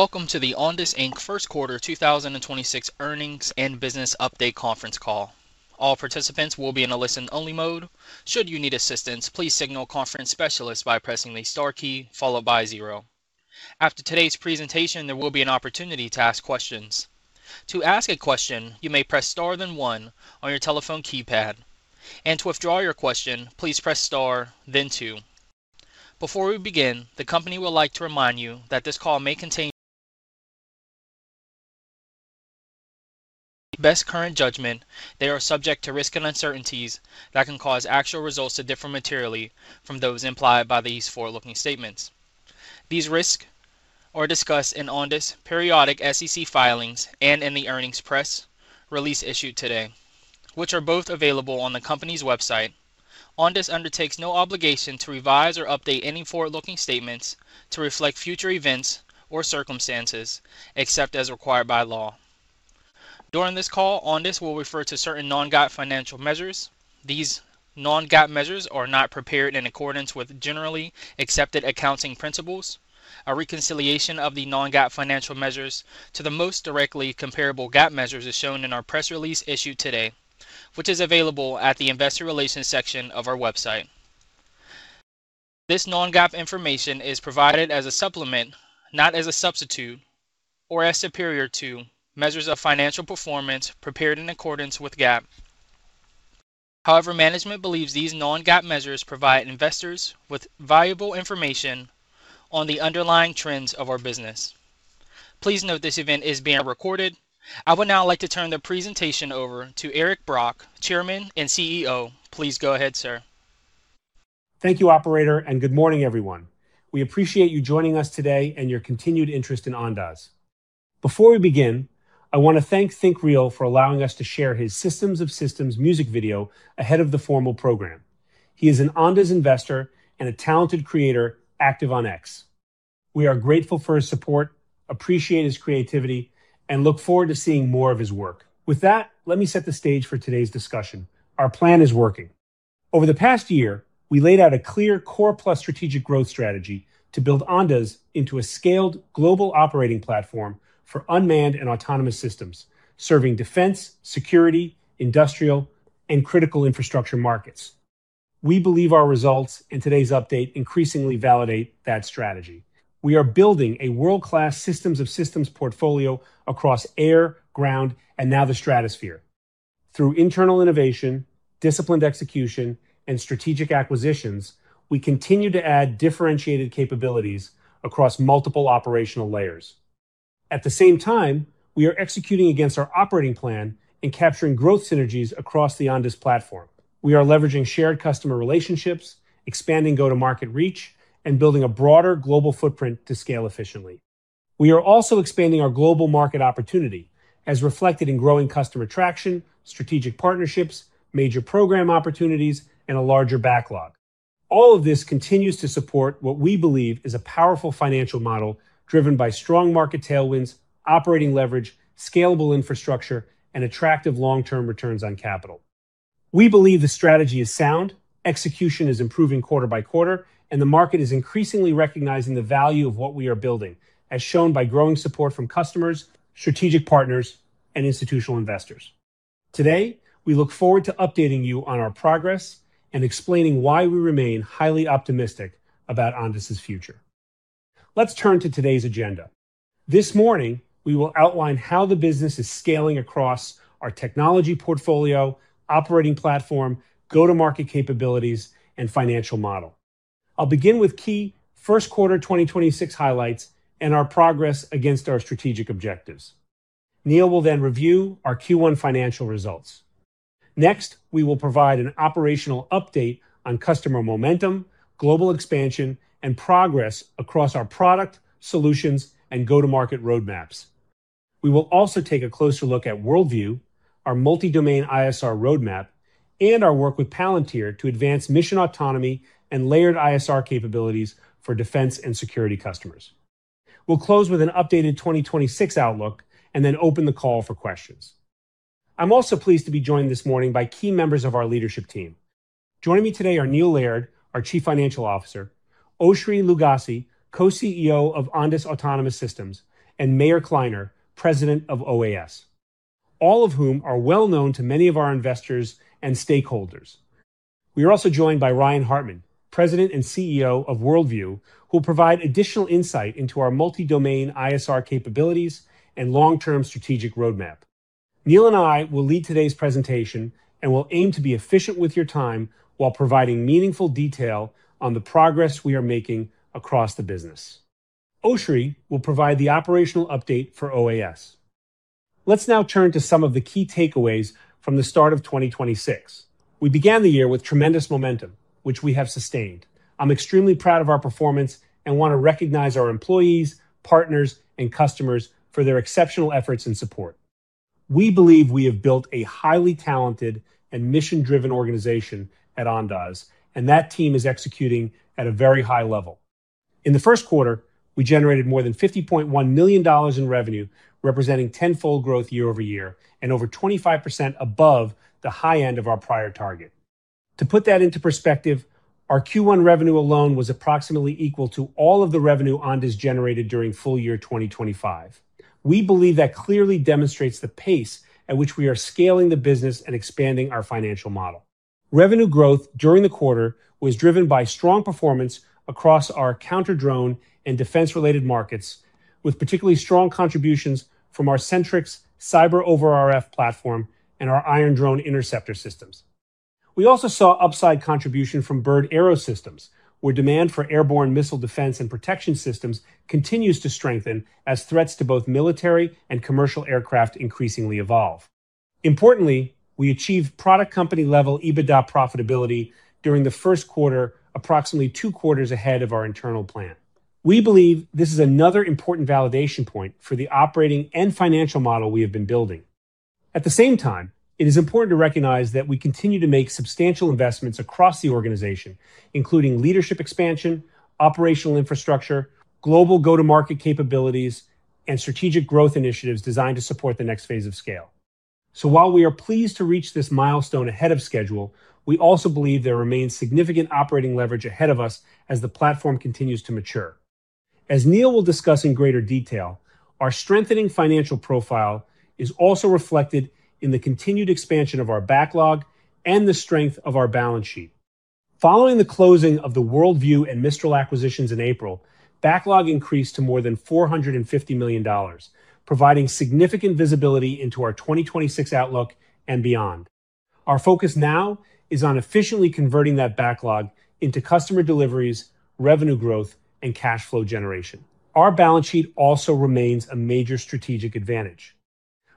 Welcome to the Ondas Inc. first quarter 2026 earnings and business Update conference call. All participants will be in a listen-only mode. Should you need assistance, please signal a conference specialist by pressing the star key followed by zero. After today's presentation, there will be an opportunity to ask questions. To ask a question, you may press star then one on your telephone keypad. To withdraw your question, please press star then two. Before we begin, the company would like to remind you that this call may contain best current judgment. They are subject to risks and uncertainties that can cause actual results to differ materially from those implied by these forward-looking statements. These risks are discussed in Ondas's periodic SEC filings and in the earnings press release issued today, which are both available on the company's website. Ondas undertakes no obligation to revise or update any forward-looking statements to reflect future events or circumstances, except as required by law. During this call, Ondas will refer to certain non-GAAP financial measures. These non-GAAP measures are not prepared in accordance with generally accepted accounting principles. A reconciliation of the non-GAAP financial measures to the most directly comparable GAAP measures is shown in our press release issued today, which is available at the investor relations section of our website. This non-GAAP information is provided as a supplement, not as a substitute or as superior to measures of financial performance prepared in accordance with GAAP. However, management believes these non-GAAP measures provide investors with valuable information on the underlying trends of our business. Please note this event is being recorded. I would now like to turn the presentation over to Eric Brock, Chairman and CEO. Please go ahead, sir. Thank you, operator. Good morning, everyone. We appreciate you joining us today and your continued interest in Ondas. Before we begin, I want to thank ThinkReal for allowing us to share his Systems of Systems music video ahead of the formal program. He is an Ondas investor and a talented creator active on X. We are grateful for his support, appreciate his creativity, and look forward to seeing more of his work. With that, let me set the stage for today's discussion. Our plan is working. Over the past year, we laid out a clear core plus strategic growth strategy to build Ondas into a scaled global operating platform for unmanned and autonomous systems serving defense, security, industrial, and critical infrastructure markets. We believe our results in today's update increasingly validate that strategy. We are building a world-class systems of systems portfolio across air, ground, and now the stratosphere. Through internal innovation, disciplined execution, and strategic acquisitions, we continue to add differentiated capabilities across multiple operational layers. At the same time, we are executing against our operating plan and capturing growth synergies across the Ondas platform. We are leveraging shared customer relationships, expanding go-to-market reach, and building a broader global footprint to scale efficiently. We are also expanding our global market opportunity as reflected in growing customer traction, strategic partnerships, major program opportunities, and a larger backlog. All of this continues to support what we believe is a powerful financial model driven by strong market tailwinds, operating leverage, scalable infrastructure, and attractive long-term returns on capital. We believe the strategy is sound, execution is improving quarter-by-quarter, and the market is increasingly recognizing the value of what we are building, as shown by growing support from customers, strategic partners, and institutional investors. Today, we look forward to updating you on our progress and explaining why we remain highly optimistic about Ondas' future. Let's turn to today's agenda. This morning, we will outline how the business is scaling across our technology portfolio, operating platform, go-to-market capabilities, and financial model. I'll begin with key first quarter 2026 highlights and our progress against our strategic objectives. Neil will review our Q1 financial results. We will provide an operational update on customer momentum, global expansion, and progress across our product, solutions, and go-to-market roadmaps. We will also take a closer look at World View, our multi-domain ISR roadmap, and our work with Palantir to advance mission autonomy and layered ISR capabilities for defense and security customers. We'll close with an updated 2026 outlook and open the call for questions. I'm also pleased to be joined this morning by key members of our leadership team. Joining me today are Neil Laird, our Chief Financial Officer, Oshri Lugassy, Co-CEO of Ondas Autonomous Systems, and Meir Kliner, President of OAS, all of whom are well-known to many of our investors and stakeholders. We are also joined by Ryan Hartman, President and CEO of World View, who will provide additional insight into our multi-domain ISR capabilities and long-term strategic roadmap. Neil and I will lead today's presentation and will aim to be efficient with your time while providing meaningful detail on the progress we are making across the business. Oshri will provide the operational update for OAS. Let's now turn to some of the key takeaways from the start of 2026. We began the year with tremendous momentum, which we have sustained. I'm extremely proud of our performance and want to recognize our employees, partners, and customers for their exceptional efforts and support. We believe we have built a highly talented and mission-driven organization at Ondas, and that team is executing at a very high level. In the first quarter, we generated more than $50.1 million in revenue, representing tenfold growth year-over-year and over 25% above the high end of our prior target. To put that into perspective, our Q1 revenue alone was approximately equal to all of the revenue Ondas generated during full year 2025. We believe that clearly demonstrates the pace at which we are scaling the business and expanding our financial model. Revenue growth during the quarter was driven by strong performance across our counter drone and defense-related markets, with particularly strong contributions from our Sentrycs Cyber Over RF platform and our Iron Drone interceptor systems. We also saw upside contribution from BIRD Aerosystems, where demand for airborne missile defense and protection systems continues to strengthen as threats to both military and commercial aircraft increasingly evolve. Importantly, we achieved product company level EBITDA profitability during the first quarter, approximately two quarters ahead of our internal plan. We believe this is another important validation point for the operating and financial model we have been building. At the same time, it is important to recognize that we continue to make substantial investments across the organization, including leadership expansion, operational infrastructure, global go-to-market capabilities, and strategic growth initiatives designed to support the next phase of scale. While we are pleased to reach this milestone ahead of schedule, we also believe there remains significant operating leverage ahead of us as the platform continues to mature. As Neil will discuss in greater detail, our strengthening financial profile is also reflected in the continued expansion of our backlog and the strength of our balance sheet. Following the closing of the World View and Mistral acquisitions in April, backlog increased to more than $450 million, providing significant visibility into our 2026 outlook and beyond. Our focus now is on efficiently converting that backlog into customer deliveries, revenue growth, and cash flow generation. Our balance sheet also remains a major strategic advantage.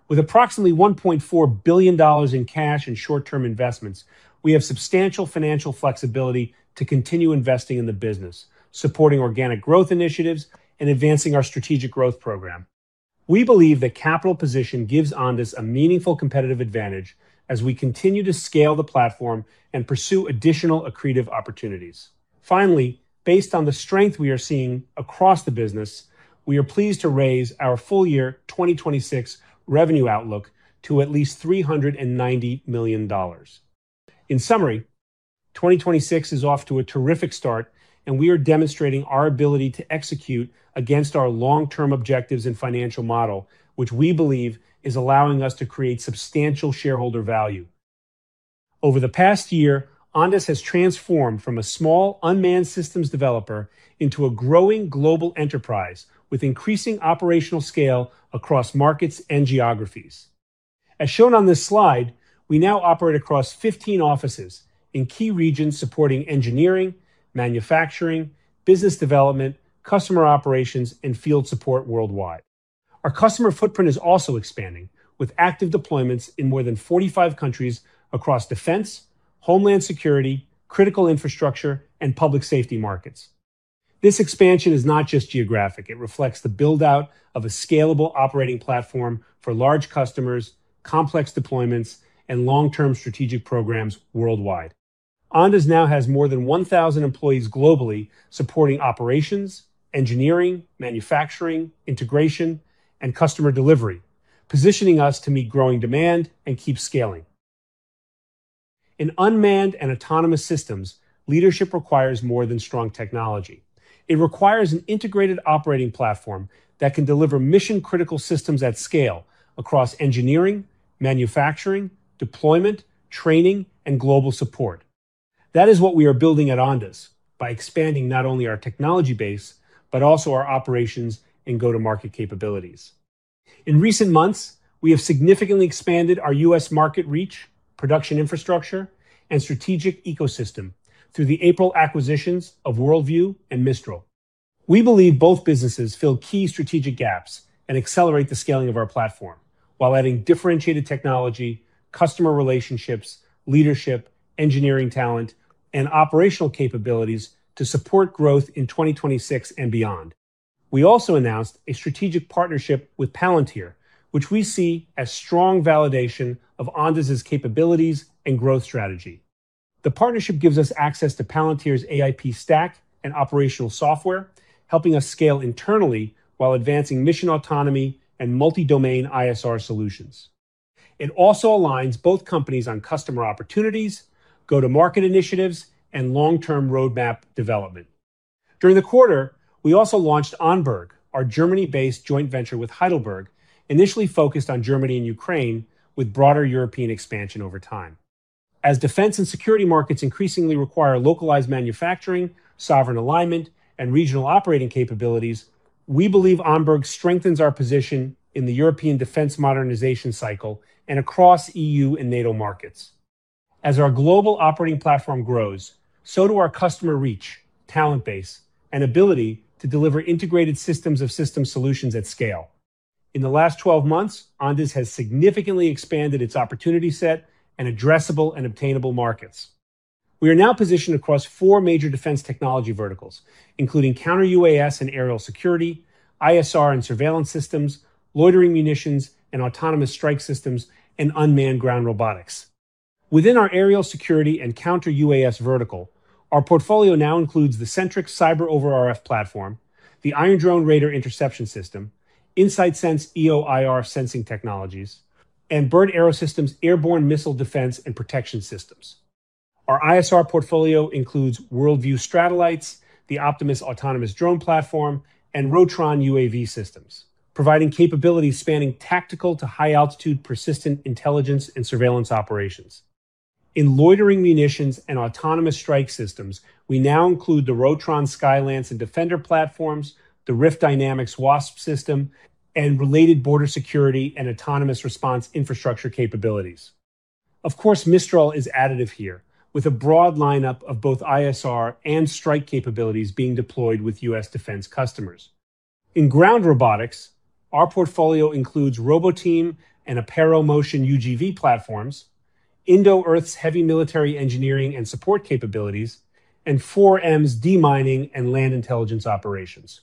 With approximately $1.4 billion in cash and short-term investments, we have substantial financial flexibility to continue investing in the business, supporting organic growth initiatives and advancing our strategic growth program. We believe that capital position gives Ondas a meaningful competitive advantage as we continue to scale the platform and pursue additional accretive opportunities. Finally, based on the strength we are seeing across the business, we are pleased to raise our full year 2026 revenue outlook to at least $390 million. In summary, 2026 is off to a terrific start. We are demonstrating our ability to execute against our long-term objectives and financial model, which we believe is allowing us to create substantial shareholder value. Over the past year, Ondas has transformed from a small unmanned systems developer into a growing global enterprise with increasing operational scale across markets and geographies. As shown on this slide, we now operate across 15 offices in key regions supporting engineering, manufacturing, business development, customer operations, and field support worldwide. Our customer footprint is also expanding with active deployments in more than 45 countries across defense, homeland security, critical infrastructure, and public safety markets. This expansion is not just geographic. It reflects the build-out of a scalable operating platform for large customers, complex deployments, and long-term strategic programs worldwide. Ondas now has more than 1,000 employees globally supporting operations, engineering, manufacturing, integration, and customer delivery, positioning us to meet growing demand and keep scaling. In unmanned and autonomous systems, leadership requires more than strong technology. It requires an integrated operating platform that can deliver mission-critical systems at scale across engineering, manufacturing, deployment, training, and global support. That is what we are building at Ondas by expanding not only our technology base, but also our operations and go-to-market capabilities. In recent months, we have significantly expanded our U.S. market reach, production infrastructure, and strategic ecosystem through the April acquisitions of World View and Mistral. We believe both businesses fill key strategic gaps and accelerate the scaling of our platform while adding differentiated technology, customer relationships, leadership, engineering talent, and operational capabilities to support growth in 2026 and beyond. We also announced a strategic partnership with Palantir, which we see as strong validation of Ondas' capabilities and growth strategy. The partnership gives us access to Palantir's AIP stack and operational software, helping us scale internally while advancing mission autonomy and multi-domain ISR solutions. It also aligns both companies on customer opportunities, go-to-market initiatives, and long-term roadmap development. During the quarter, we also launched ONBERG, our Germany-based joint venture with Heidelberg, initially focused on Germany and Ukraine with broader European expansion over time. As defense and security markets increasingly require localized manufacturing, sovereign alignment, and regional operating capabilities, we believe ONBERG strengthens our position in the European defense modernization cycle and across EU and NATO markets. As our global operating platform grows, so do our customer reach, talent base, and ability to deliver integrated systems of system solutions at scale. In the last 12 months, Ondas has significantly expanded its opportunity set and addressable and obtainable markets. We are now positioned across four major defense technology verticals, including counter UAS and aerial security, ISR and surveillance systems, loitering munitions, and autonomous strike systems, and unmanned ground robotics. Within our aerial security and counter UAS vertical, our portfolio now includes the Sentrycs Cyber Over RF platform, the Iron Drone Raider Interception System, InsightSense EOIR sensing technologies, and BIRD Aerosystems airborne missile defense and protection systems. Our ISR portfolio includes World View Stratollite, the Optimus System autonomous drone platform, and Rotron Aerospace UAV systems, providing capabilities spanning tactical to high-altitude persistent intelligence and surveillance operations. In loitering munitions and autonomous strike systems, we now include the Rotron SkyLance and Defender platforms, the Rift Dynamics Wåsp system, and related border security and autonomous response infrastructure capabilities. Of course, Mistral is additive here, with a broad lineup of both ISR and strike capabilities being deployed with U.S. Defense customers. In ground robotics, our portfolio includes Roboteam and Apeiro Motion UGV platforms, INDO Earth's heavy military engineering and support capabilities, and 4M's demining and land intelligence operations.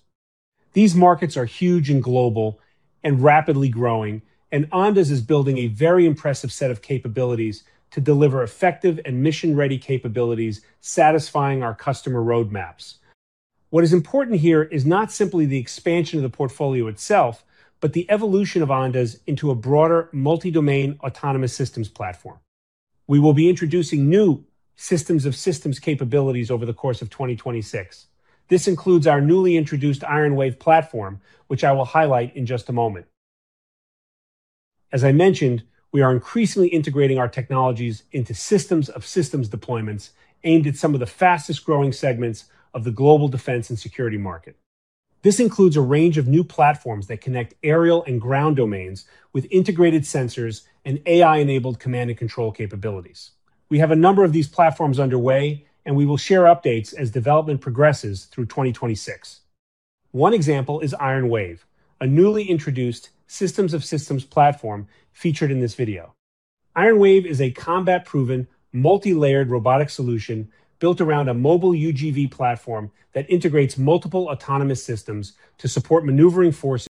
These markets are huge and global and rapidly growing, and Ondas is building a very impressive set of capabilities to deliver effective and mission-ready capabilities satisfying our customer roadmaps. What is important here is not simply the expansion of the portfolio itself, but the evolution of Ondas into a broader multi-domain autonomous systems platform. We will be introducing new systems of systems capabilities over the course of 2026. This includes our newly introduced Iron Drone platform, which I will highlight in just a moment. As I mentioned, we are increasingly integrating our technologies into systems of systems deployments aimed at some of the fastest-growing segments of the global defense and security market. This includes a range of new platforms that connect aerial and ground domains with integrated sensors and AI-enabled command and control capabilities. We have a number of these platforms underway, and we will share updates as development progresses through 2026. One example is Iron Drone, a newly introduced systems of systems platform featured in this video. Iron Drone is a combat-proven, multi-layered robotic solution built around a mobile UGV platform that integrates multiple autonomous systems to support maneuvering forces.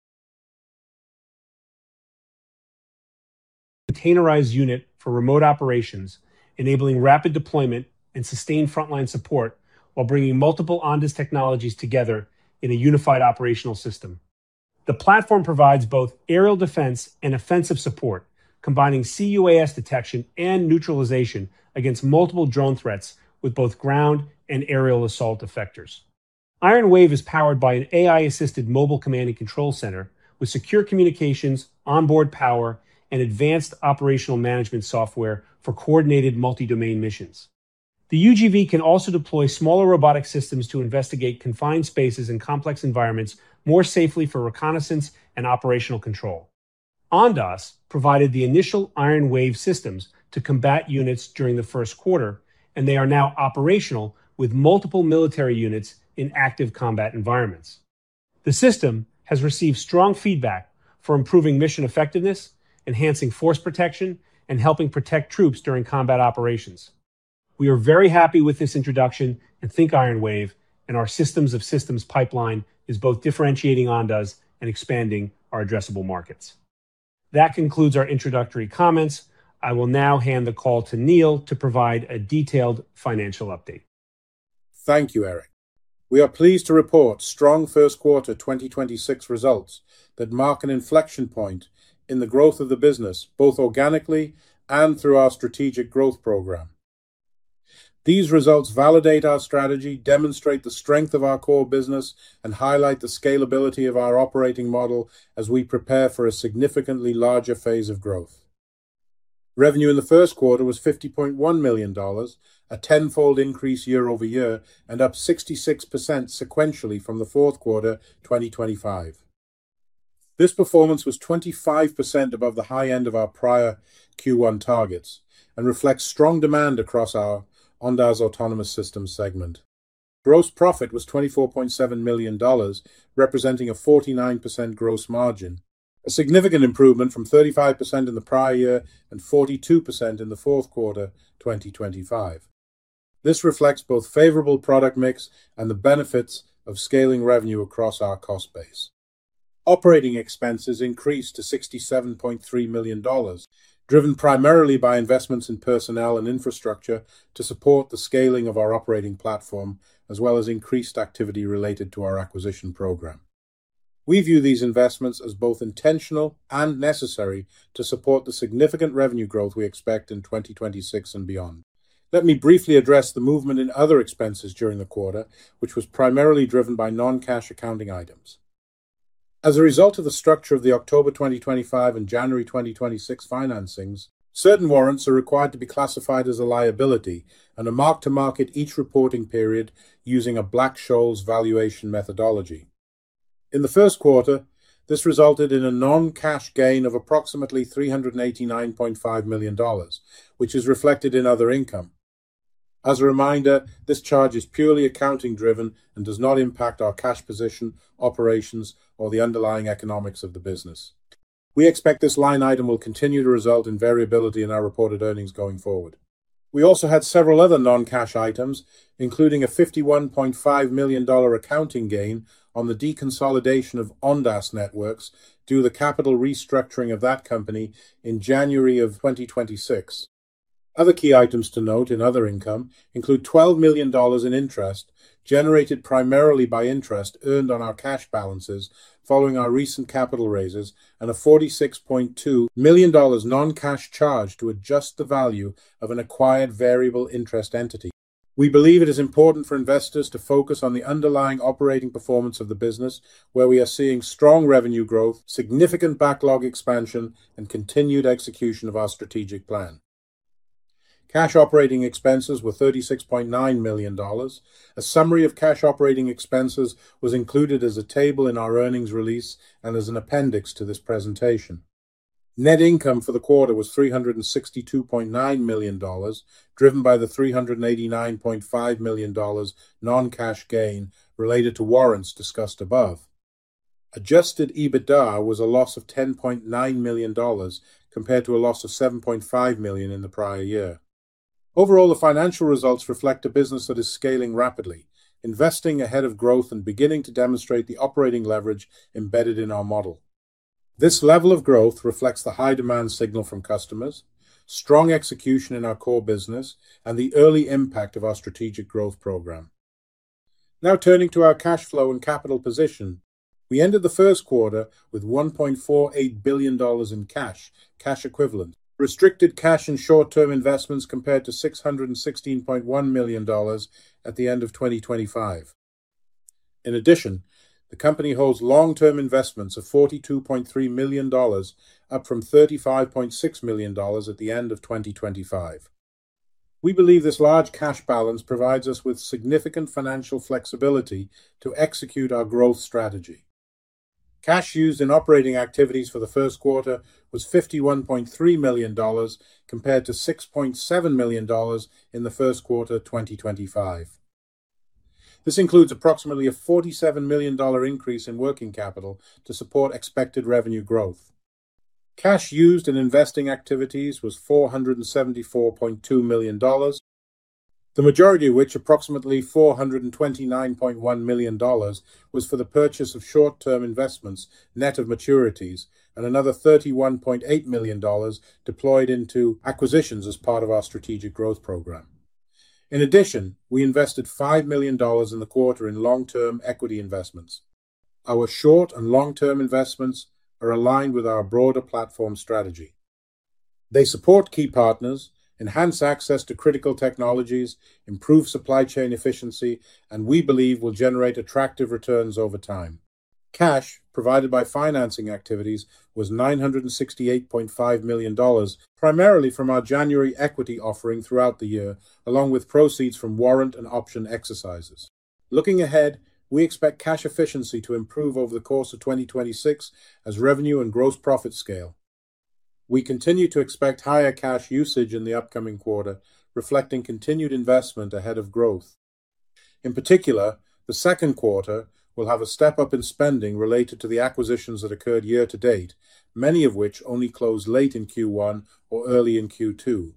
Containerized unit for remote operations, enabling rapid deployment and sustained frontline support while bringing multiple Ondas technologies together in a unified operational system. The platform provides both aerial defense and offensive support, combining C-UAS detection and neutralization against multiple drone threats with both ground and aerial assault effectors. IRON-WAVE is powered by an AI-assisted mobile command and control center with secure communications, onboard power, and advanced operational management software for coordinated multi-domain missions. The UGV can also deploy smaller robotic systems to investigate confined spaces and complex environments more safely for reconnaissance and operational control. Ondas provided the initial IRON-WAVE systems to combat units during the first quarter, and they are now operational with multiple military units in active combat environments. The system has received strong feedback for improving mission effectiveness, enhancing force protection, and helping protect troops during combat operations. We are very happy with this introduction and think IRON-WAVE and our systems of systems pipeline is both differentiating Ondas and expanding our addressable markets. That concludes our introductory comments. I will now hand the call to Neil to provide a detailed financial update. Thank you, Eric. We are pleased to report strong first-quarter 2026 results that mark an inflection point in the growth of the business, both organically and through our strategic growth program. These results validate our strategy, demonstrate the strength of our core business, and highlight the scalability of our operating model as we prepare for a significantly larger phase of growth. Revenue in the first quarter was $50.1 million, a tenfold increase year-over-year and up 66% sequentially from the fourth quarter 2025. This performance was 25% above the high end of our prior Q1 targets and reflects strong demand across our Ondas Autonomous Systems segment. Gross profit was $24.7 million, representing a 49% gross margin, a significant improvement from 35% in the prior year and 42% in the fourth quarter 2025. This reflects both favorable product mix and the benefits of scaling revenue across our cost base. Operating expenses increased to $67.3 million, driven primarily by investments in personnel and infrastructure to support the scaling of our operating platform, as well as increased activity related to our acquisition program. We view these investments as both intentional and necessary to support the significant revenue growth we expect in 2026 and beyond. Let me briefly address the movement in other expenses during the quarter, which was primarily driven by non-cash accounting items. As a result of the structure of the October 2025 and January 2026 financings, certain warrants are required to be classified as a liability and are market-to-market each reporting period using a Black-Scholes valuation methodology. In the first quarter, this resulted in a non-cash gain of approximately $389.5 million, which is reflected in other income. As a reminder, this charge is purely accounting driven and does not impact our cash position, operations, or the underlying economics of the business. We expect this line item will continue to result in variability in our reported earnings going forward. We also had several other non-cash items, including a $51.5 million accounting gain on the deconsolidation of Ondas Networks due to the capital restructuring of that company in January of 2026. Other key items to note in other income include $12 million in interest generated primarily by interest earned on our cash balances following our recent capital raises and a $46.2 million non-cash charge to adjust the value of an acquired variable interest entity. We believe it is important for investors to focus on the underlying operating performance of the business, where we are seeing strong revenue growth, significant backlog expansion, and continued execution of our strategic plan. Cash operating expenses were $36.9 million. A summary of cash operating expenses was included as a table in our earnings release and as an appendix to this presentation. Net income for the quarter was $362.9 million, driven by the $389.5 million non-cash gain related to warrants discussed above. Adjusted EBITDA was a loss of $10.9 million compared to a loss of $7.5 million in the prior year. Overall, the financial results reflect a business that is scaling rapidly, investing ahead of growth, and beginning to demonstrate the operating leverage embedded in our model. This level of growth reflects the high demand signal from customers, strong execution in our core business, and the early impact of our strategic growth program. Turning to our cash flow and capital position. We ended the first quarter with $1.48 billion in cash equivalents, restricted cash, and short-term investments compared to $616.1 million at the end of 2025. The company holds long-term investments of $42.3 million, up from $35.6 million at the end of 2025. We believe this large cash balance provides us with significant financial flexibility to execute our growth strategy. Cash used in operating activities for the first quarter was $51.3 million compared to $6.7 million in the first quarter 2025. This includes approximately a $47 million increase in working capital to support expected revenue growth. Cash used in investing activities was $474.2 million. The majority of which approximately $429.1 million was for the purchase of short-term investments net of maturities and another $31.8 million deployed into acquisitions as part of our strategic growth program. In addition, we invested $5 million in the quarter in long-term equity investments. Our short and long-term investments are aligned with our broader platform strategy. They support key partners, enhance access to critical technologies, improve supply chain efficiency, and we believe will generate attractive returns over time. Cash provided by financing activities was $968.5 million, primarily from our January equity offering throughout the year, along with proceeds from warrant and option exercises. Looking ahead, we expect cash efficiency to improve over the course of 2026 as revenue and gross profit scale. We continue to expect higher cash usage in the upcoming quarter, reflecting continued investment ahead of growth. In particular, the second quarter will have a step up in spending related to the acquisitions that occurred year-to-date, many of which only closed late in Q1 or early in Q2.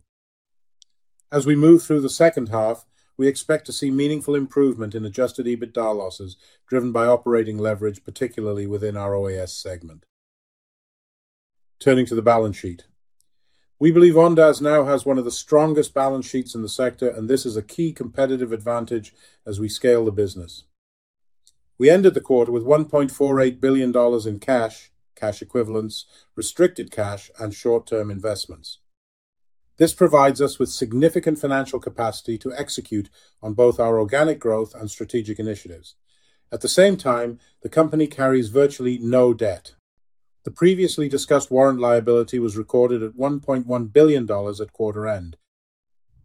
As we move through the second half, we expect to see meaningful improvement in adjusted EBITDA losses driven by operating leverage, particularly within our OAS segment. Turning to the balance sheet. We believe Ondas now has one of the strongest balance sheets in the sector, and this is a key competitive advantage as we scale the business. We ended the quarter with $1.48 billion in cash equivalents, restricted cash, and short-term investments. This provides us with significant financial capacity to execute on both our organic growth and strategic initiatives. At the same time, the company carries virtually no debt. The previously discussed warrant liability was recorded at $1.1 billion at quarter end.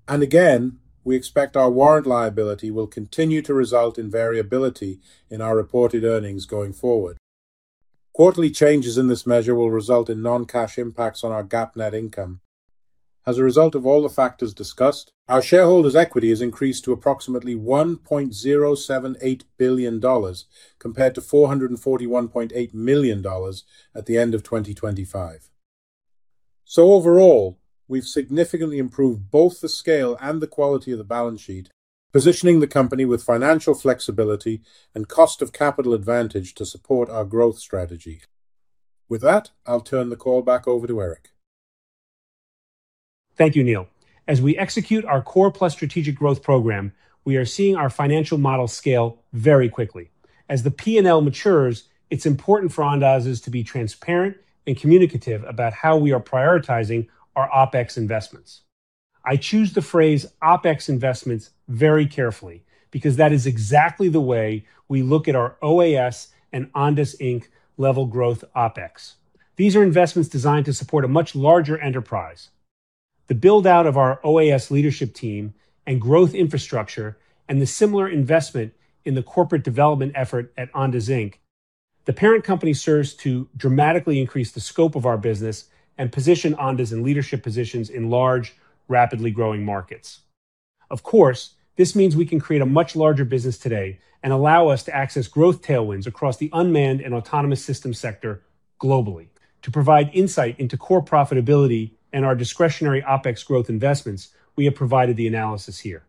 Again, we expect our warrant liability will continue to result in variability in our reported earnings going forward. Quarterly changes in this measure will result in non-cash impacts on our GAAP net income. As a result of all the factors discussed, our shareholders' equity has increased to approximately $1.078 billion compared to $441.8 million at the end of 2025. Overall, we've significantly improved both the scale and the quality of the balance sheet, positioning the company with financial flexibility and cost of capital advantage to support our growth strategy. With that, I'll turn the call back over to Eric. Thank you, Neil. As we execute our core plus strategic growth program, we are seeing our financial model scale very quickly. As the P&L matures, it's important for Ondas to be transparent and communicative about how we are prioritizing our OpEx investments. I choose the phrase OpEx investments very carefully because that is exactly the way we look at our OAS and Ondas Inc. level growth OpEx. These are investments designed to support a much larger enterprise. The build-out of our OAS leadership team and growth infrastructure, and the similar investment in the corporate development effort at Ondas Inc., the parent company serves to dramatically increase the scope of our business and position Ondas in leadership positions in large, rapidly growing markets. Of course, this means we can create a much larger business today and allow us to access growth tailwinds across the unmanned and autonomous systems sector globally. To provide insight into core profitability and our discretionary OpEx growth investments, we have provided the analysis here.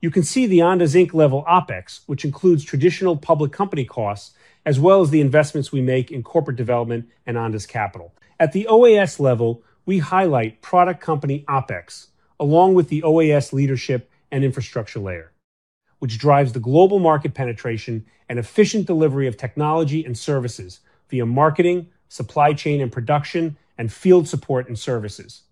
You can see the Ondas Inc. level OpEx, which includes traditional public company costs, as well as the investments we make in corporate development and Ondas Capital. At the OAS level, we highlight product company OpEx, along with the OAS leadership and infrastructure layer, which drives the global market penetration and efficient delivery of technology and services via marketing, supply chain and production, and field support and services.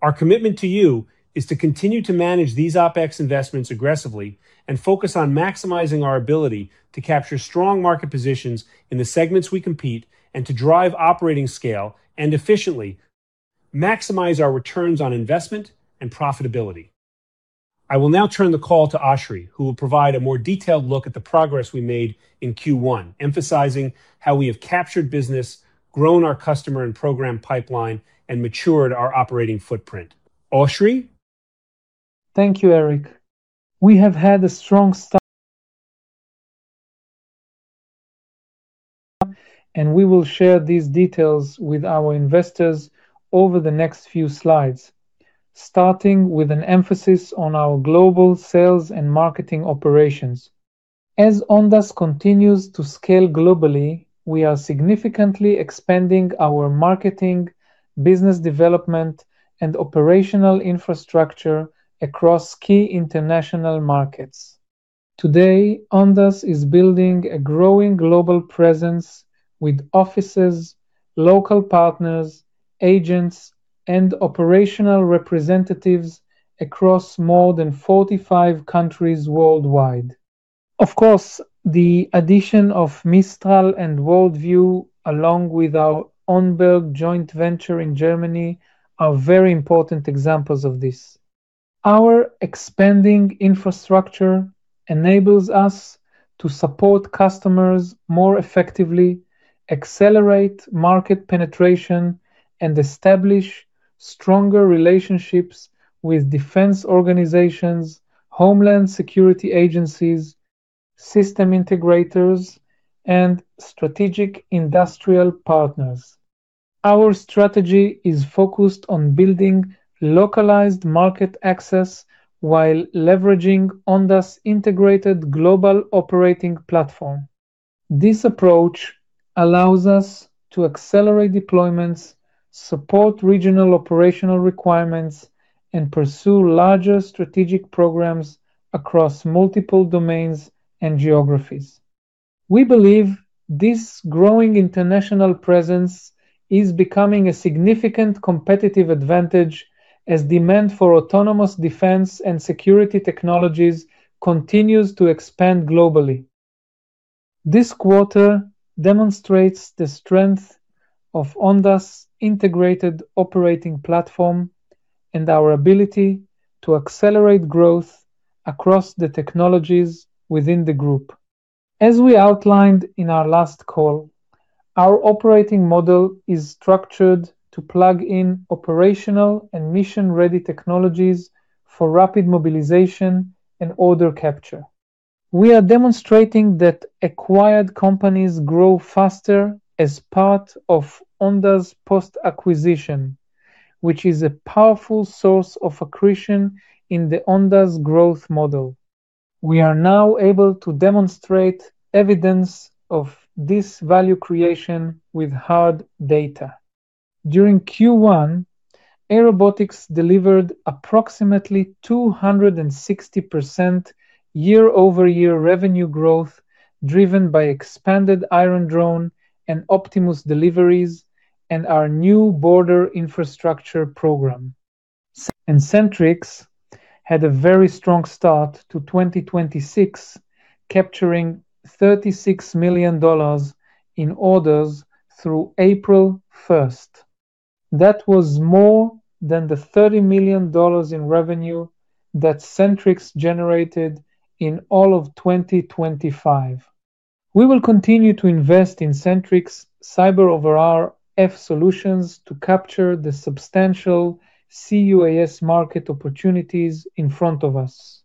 Our commitment to you is to continue to manage these OpEx investments aggressively and focus on maximizing our ability to capture strong market positions in the segments we compete and to drive operating scale and efficiently maximize our returns on investment and profitability. I will now turn the call to Oshri, who will provide a more detailed look at the progress we made in Q1, emphasizing how we have captured business, grown our customer and program pipeline, and matured our operating footprint. Oshri Lugassy? Thank you, Eric. We have had a strong start, and we will share these details with our investors over the next few slides, starting with an emphasis on our global sales and marketing operations. As Ondas continues to scale globally, we are significantly expanding our marketing, business development, and operational infrastructure across key international markets. Today, Ondas is building a growing global presence with offices, local partners, agents, and operational representatives across more than 45 countries worldwide. Of course, the addition of Mistral and World View, along with our ONBERG joint venture in Germany, are very important examples of this. Our expanding infrastructure enables us to support customers more effectively, accelerate market penetration, and establish stronger relationships with defense organizations, homeland security agencies, system integrators, and strategic industrial partners. Our strategy is focused on building localized market access while leveraging Ondas integrated global operating platform. This approach allows us to accelerate deployments, support regional operational requirements, and pursue larger strategic programs across multiple domains and geographies. We believe this growing international presence is becoming a significant competitive advantage as demand for autonomous defense and security technologies continues to expand globally. This quarter demonstrates the strength of Ondas integrated operating platform and our ability to accelerate growth across the technologies within the group. As we outlined in our last call, our operating model is structured to plug in operational and mission-ready technologies for rapid mobilization and order capture. We are demonstrating that acquired companies grow faster as part of Ondas post-acquisition, which is a powerful source of accretion in the Ondas growth model. We are now able to demonstrate evidence of this value creation with hard data. During Q1, Airobotics delivered approximately 260% year-over-year revenue growth driven by expanded Iron Drone and Optimus deliveries and our new border infrastructure program. Sentrycs had a very strong start to 2026, capturing $36 million in orders through April 1st. That was more than the $30 million in revenue that Sentrycs generated in all of 2025. We will continue to invest in Sentrycs cyber over RF solutions to capture the substantial C-UAS market opportunities in front of us.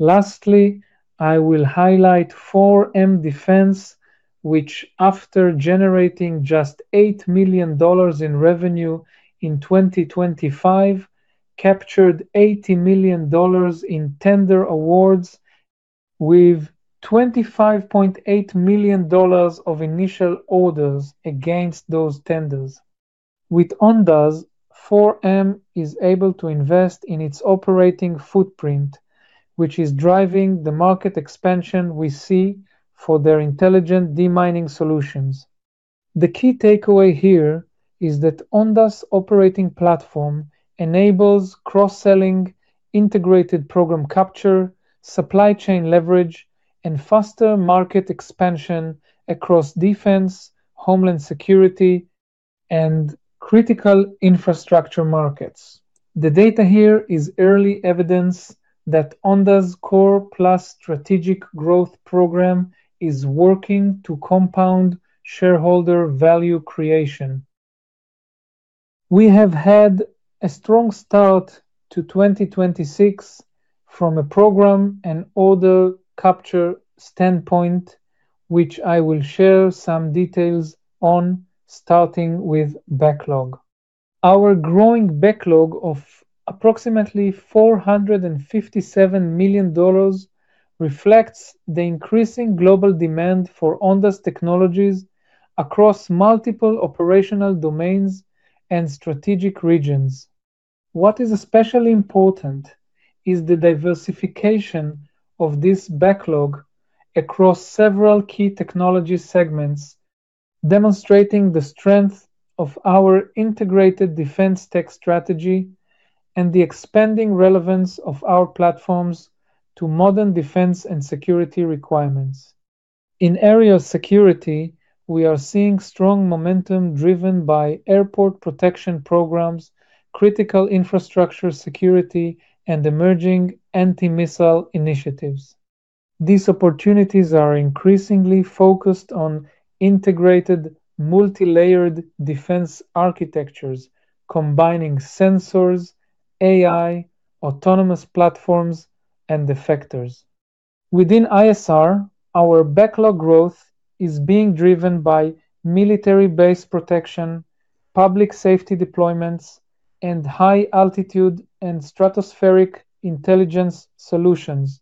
Lastly, I will highlight 4M Defense, which after generating just $8 million in revenue in 2025, captured $80 million in tender awards with $25.8 million of initial orders against those tenders. With Ondas, 4M is able to invest in its operating footprint, which is driving the market expansion we see for their intelligent de-mining solutions. The key takeaway here is that Ondas operating platform enables cross-selling, integrated program capture, supply chain leverage, and faster market expansion across defense, homeland security, and critical infrastructure markets. The data here is early evidence that Ondas Core + strategic growth program is working to compound shareholder value creation. We have had a strong start to 2026 from a program and order capture standpoint, which I will share some details on starting with backlog. Our growing backlog of approximately $457 million reflects the increasing global demand for Ondas technologies across multiple operational domains and strategic regions. What is especially important is the diversification of this backlog across several key technology segments, demonstrating the strength of our integrated defense tech strategy and the expanding relevance of our platforms to modern defense and security requirements. In aerial security, we are seeing strong momentum driven by airport protection programs, critical infrastructure security, and emerging anti-missile initiatives. These opportunities are increasingly focused on integrated multilayered defense architectures combining sensors, AI, autonomous platforms, and effectors. Within ISR, our backlog growth is being driven by military base protection, public safety deployments, and high altitude and stratospheric intelligence solutions.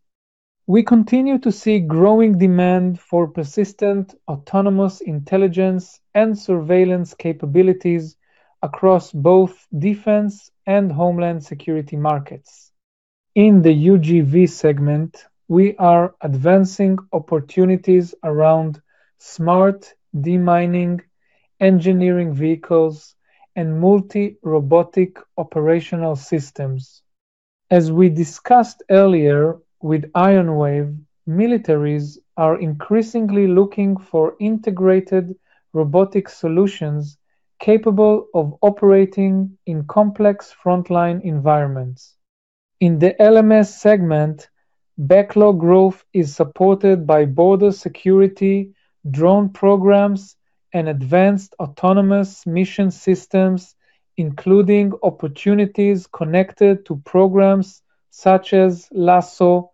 We continue to see growing demand for persistent autonomous intelligence and surveillance capabilities across both defense and homeland security markets. In the UGV segment, we are advancing opportunities around smart demining, engineering vehicles, and multi-robotic operational systems. As we discussed earlier with Iron Drone, militaries are increasingly looking for integrated robotic solutions capable of operating in complex frontline environments. In the LMS segment, backlog growth is supported by border security, drone programs, and advanced autonomous mission systems, including opportunities connected to programs such as LASSO.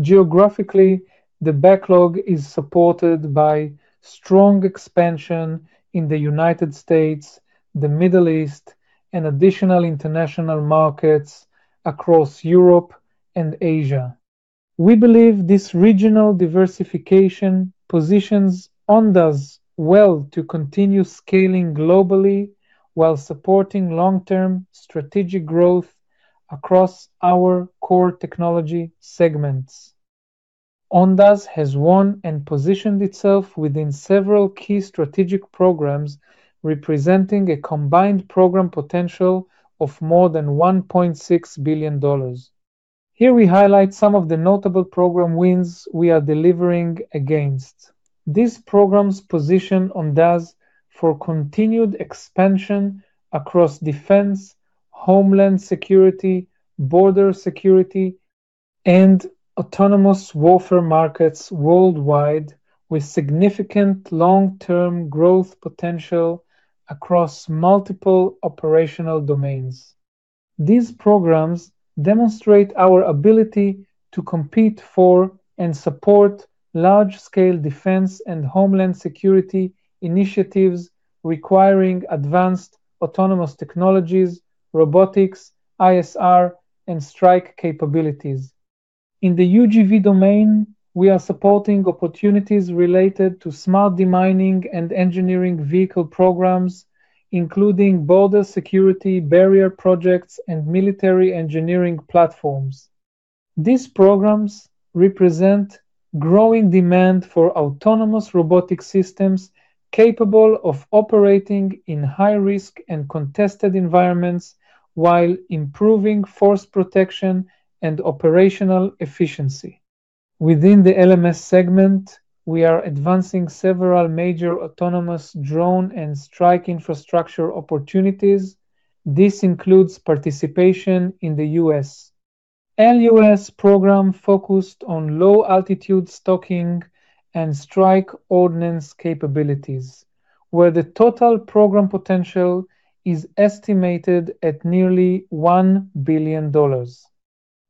Geographically, the backlog is supported by strong expansion in the United States, the Middle East, and additional international markets across Europe and Asia. We believe this regional diversification positions Ondas well to continue scaling globally while supporting long-term strategic growth across our core technology segments. Ondas has won and positioned itself within several key strategic programs, representing a combined program potential of more than $1.6 billion. Here we highlight some of the notable program wins we are delivering against. These programs position Ondas for continued expansion across defense, homeland security, border security, and autonomous warfare markets worldwide with significant long-term growth potential across multiple operational domains. These programs demonstrate our ability to compete for and support large-scale defense and homeland security initiatives requiring advanced autonomous technologies, robotics, ISR, and strike capabilities. In the UGV domain, we are supporting opportunities related to smart demining and engineering vehicle programs, including border security barrier projects and military engineering platforms. These programs represent growing demand for autonomous robotic systems capable of operating in high risk and contested environments while improving force protection and operational efficiency. Within the LMS segment, we are advancing several major autonomous drone and strike infrastructure opportunities. This includes participation in the U.S. LUS program focused on Low Altitude Stalking and Strike Ordnance capabilities, where the total program potential is estimated at nearly $1 billion.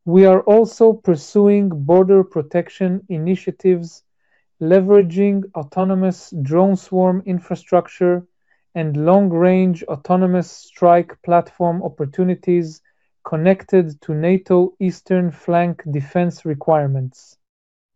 We are also pursuing border protection initiatives, leveraging autonomous drone swarm infrastructure and long-range autonomous strike platform opportunities connected to NATO Eastern Flank defense requirements.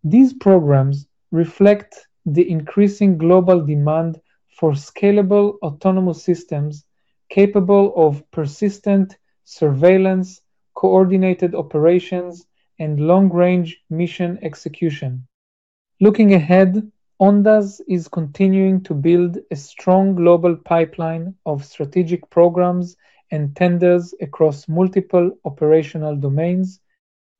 These programs reflect the increasing global demand for scalable autonomous systems capable of persistent surveillance, coordinated operations, and long-range mission execution. Looking ahead, Ondas is continuing to build a strong global pipeline of strategic programs and tenders across multiple operational domains.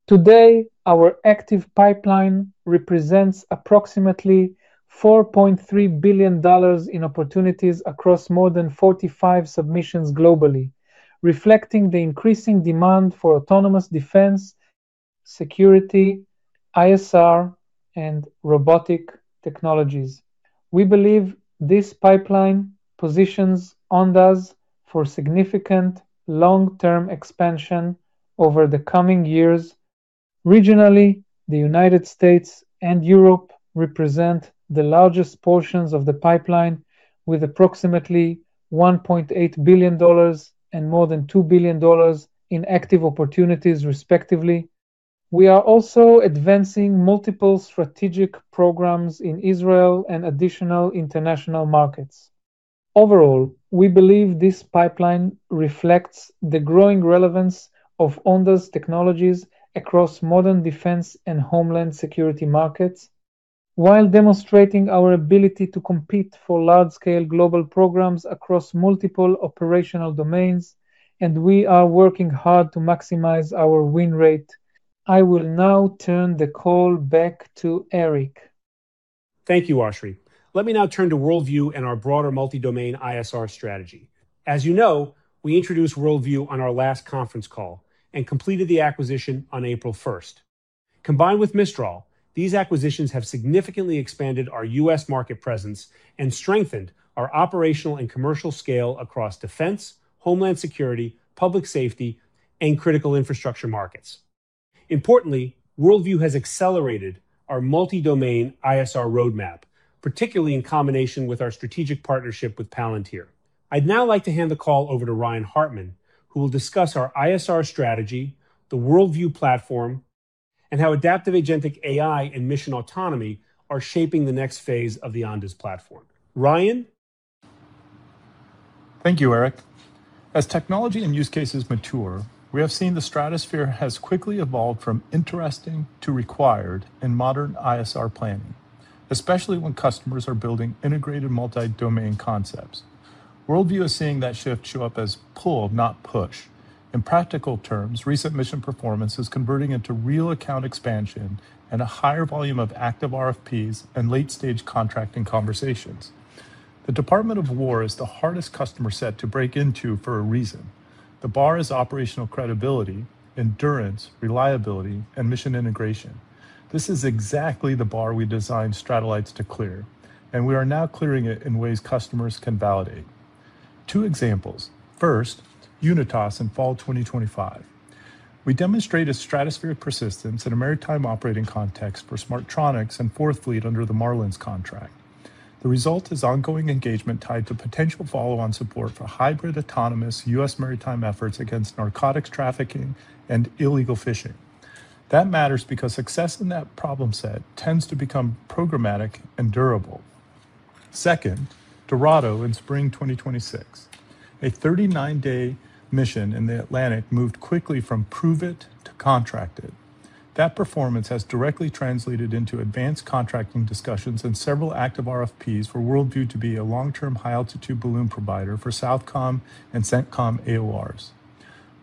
Today, our active pipeline represents approximately $4.3 billion in opportunities across more than 45 submissions globally, reflecting the increasing demand for autonomous defense, security, ISR, and robotic technologies. We believe this pipeline positions Ondas for significant long-term expansion over the coming years. Regionally, the United States and Europe represent the largest portions of the pipeline with approximately $1.8 billion and more than $2 billion in active opportunities, respectively. We are also advancing multiple strategic programs in Israel and additional international markets. Overall, we believe this pipeline reflects the growing relevance of Ondas's technologies across modern defense and homeland security markets while demonstrating our ability to compete for large-scale global programs across multiple operational domains. We are working hard to maximize our win rate. I will now turn the call back to Eric. Thank you, Oshri. Let me now turn to World View and our broader multi-domain ISR strategy. As you know, we introduced World View on our last conference call and completed the acquisition on April 1st. Combined with Mistral, these acquisitions have significantly expanded our U.S. market presence and strengthened our operational and commercial scale across defense, homeland security, public safety, and critical infrastructure markets. Importantly, World View has accelerated our multi-domain ISR roadmap, particularly in combination with our strategic partnership with Palantir. I'd now like to hand the call over to Ryan Hartman, who will discuss our ISR strategy, the World View platform, and how adaptive agentic AI and mission autonomy are shaping the next phase of the Ondas platform. Ryan? Thank you, Eric. As technology and use cases mature, we have seen the stratosphere has quickly evolved from interesting to required in modern ISR planning, especially when customers are building integrated multi-domain concepts. World View is seeing that shift show up as pull, not push. In practical terms, recent mission performance is converting into real account expansion and a higher volume of active RFPs and late-stage contracting conversations. The Department of War is the hardest customer set to break into for a reason. The bar is operational credibility, endurance, reliability, and mission integration. This is exactly the bar we designed Stratollite to clear, and we are now clearing it in ways customers can validate. Two examples. First, UNITAS in fall 2025. We demonstrated stratosphere persistence in a maritime operating context for Smartronix and 4th Fleet under the Marlins contract. The result is ongoing engagement tied to potential follow-on support for hybrid autonomous U.S. maritime efforts against narcotics trafficking and illegal fishing. That matters because success in that problem set tends to become programmatic and durable. Second, Dorado in spring 2026. A 39-day mission in the Atlantic moved quickly from prove it to contracted. That performance has directly translated into advanced contracting discussions and several active RFPs for World View to be a long-term high-altitude balloon provider for SOUTHCOM and CENTCOM AORs.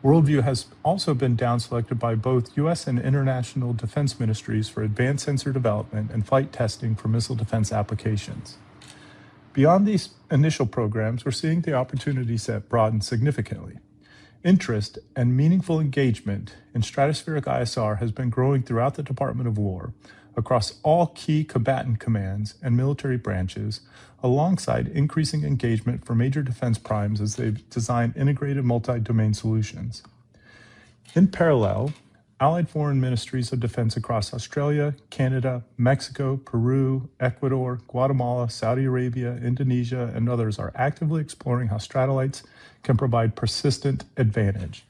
World View has also been down selected by both U.S. and international defense ministries for advanced sensor development and flight testing for missile defense applications. Beyond these initial programs, we're seeing the opportunity set broaden significantly. Interest and meaningful engagement in stratospheric ISR has been growing throughout the Department of War across all key combatant commands and military branches, alongside increasing engagement for major defense primes as they've designed integrated multi-domain solutions. In parallel, allied foreign ministries of defense across Australia, Canada, Mexico, Peru, Ecuador, Guatemala, Saudi Arabia, Indonesia, and others are actively exploring how Stratollites can provide persistent advantage.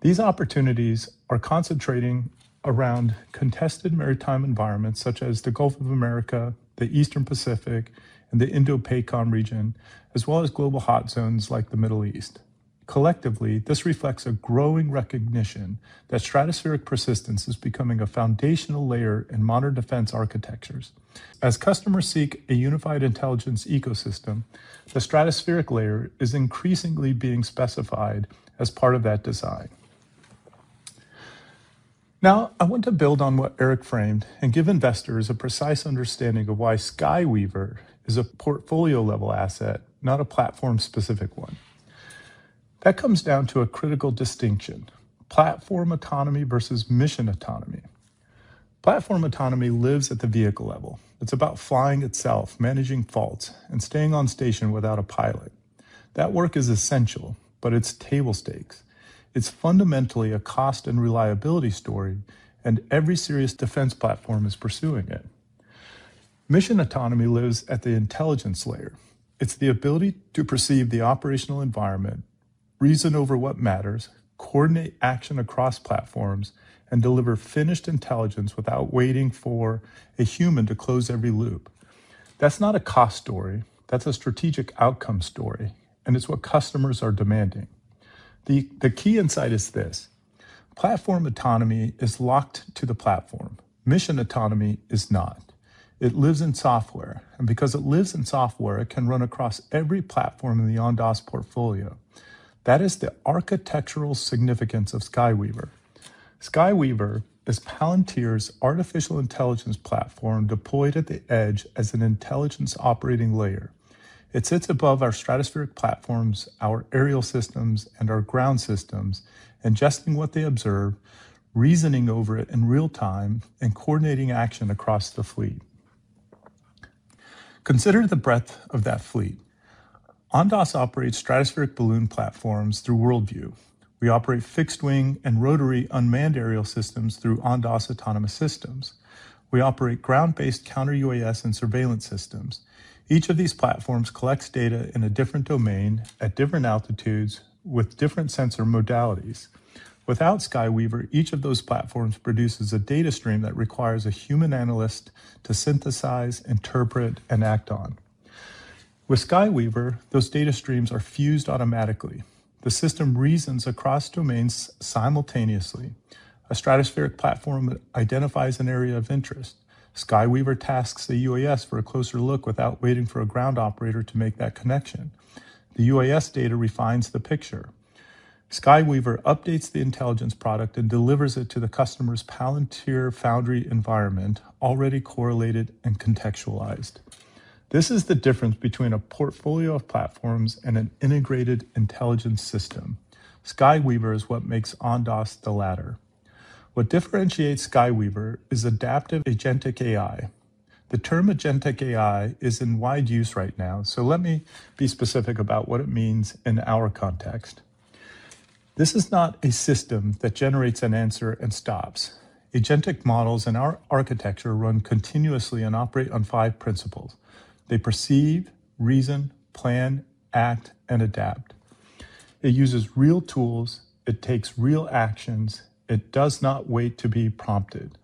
These opportunities are concentrating around contested maritime environments such as the Gulf of Mexico, the Eastern Pacific, and the Indo-PACOM region, as well as global hot zones like the Middle East. Collectively, this reflects a growing recognition that stratospheric persistence is becoming a foundational layer in modern defense architectures. As customers seek a unified intelligence ecosystem, the stratospheric layer is increasingly being specified as part of that design. Now, I want to build on what Eric framed and give investors a precise understanding of why SkyWeaver is a portfolio-level asset, not a platform-specific one. That comes down to a critical distinction: platform economy versus mission autonomy. Platform autonomy lives at the vehicle level. It's about flying itself, managing faults, and staying on station without a pilot. That work is essential, but it's table stakes. It's fundamentally a cost and reliability story, and every serious defense platform is pursuing it. Mission autonomy lives at the intelligence layer. It's the ability to perceive the operational environment, reason over what matters, coordinate action across platforms, and deliver finished intelligence without waiting for a human to close every loop. That's not a cost story, that's a strategic outcome story, and it's what customers are demanding. The key insight is this: platform autonomy is locked to the platform. Mission autonomy is not. It lives in software, and because it lives in software, it can run across every platform in the Ondas portfolio. That is the architectural significance of SkyWeaver. SkyWeaver is Palantir's Artificial Intelligence Platform deployed at the edge as an intelligence operating layer. It sits above our stratospheric platforms, our aerial systems, and our ground systems, ingesting what they observe, reasoning over it in real time, and coordinating action across the fleet. Consider the breadth of that fleet. Ondas operates stratospheric balloon platforms through World View. We operate fixed-wing and rotary unmanned aerial systems through Ondas Autonomous Systems. We operate ground-based counter UAS and surveillance systems. Each of these platforms collects data in a different domain at different altitudes with different sensor modalities. Without SkyWeaver, each of those platforms produces a data stream that requires a human analyst to synthesize, interpret, and act on. With SkyWeaver, those data streams are fused automatically. The system reasons across domains simultaneously. A stratospheric platform identifies an area of interest. SkyWeaver tasks the UAS for a closer look without waiting for a ground operator to make that connection. The UAS data refines the picture. SkyWeaver updates the intelligence product and delivers it to the customer's Palantir Foundry environment already correlated and contextualized. This is the difference between a portfolio of platforms and an integrated intelligence system. SkyWeaver is what makes Ondas the latter. What differentiates SkyWeaver is adaptive agentic AI. The term agentic AI is in wide use right now, so let me be specific about what it means in our context. This is not a system that generates an answer and stops. Agentic models in our architecture run continuously and operate on five principles. They perceive, reason, plan, act, and adapt. It uses real tools. It takes real actions. It does not wait to be prompted.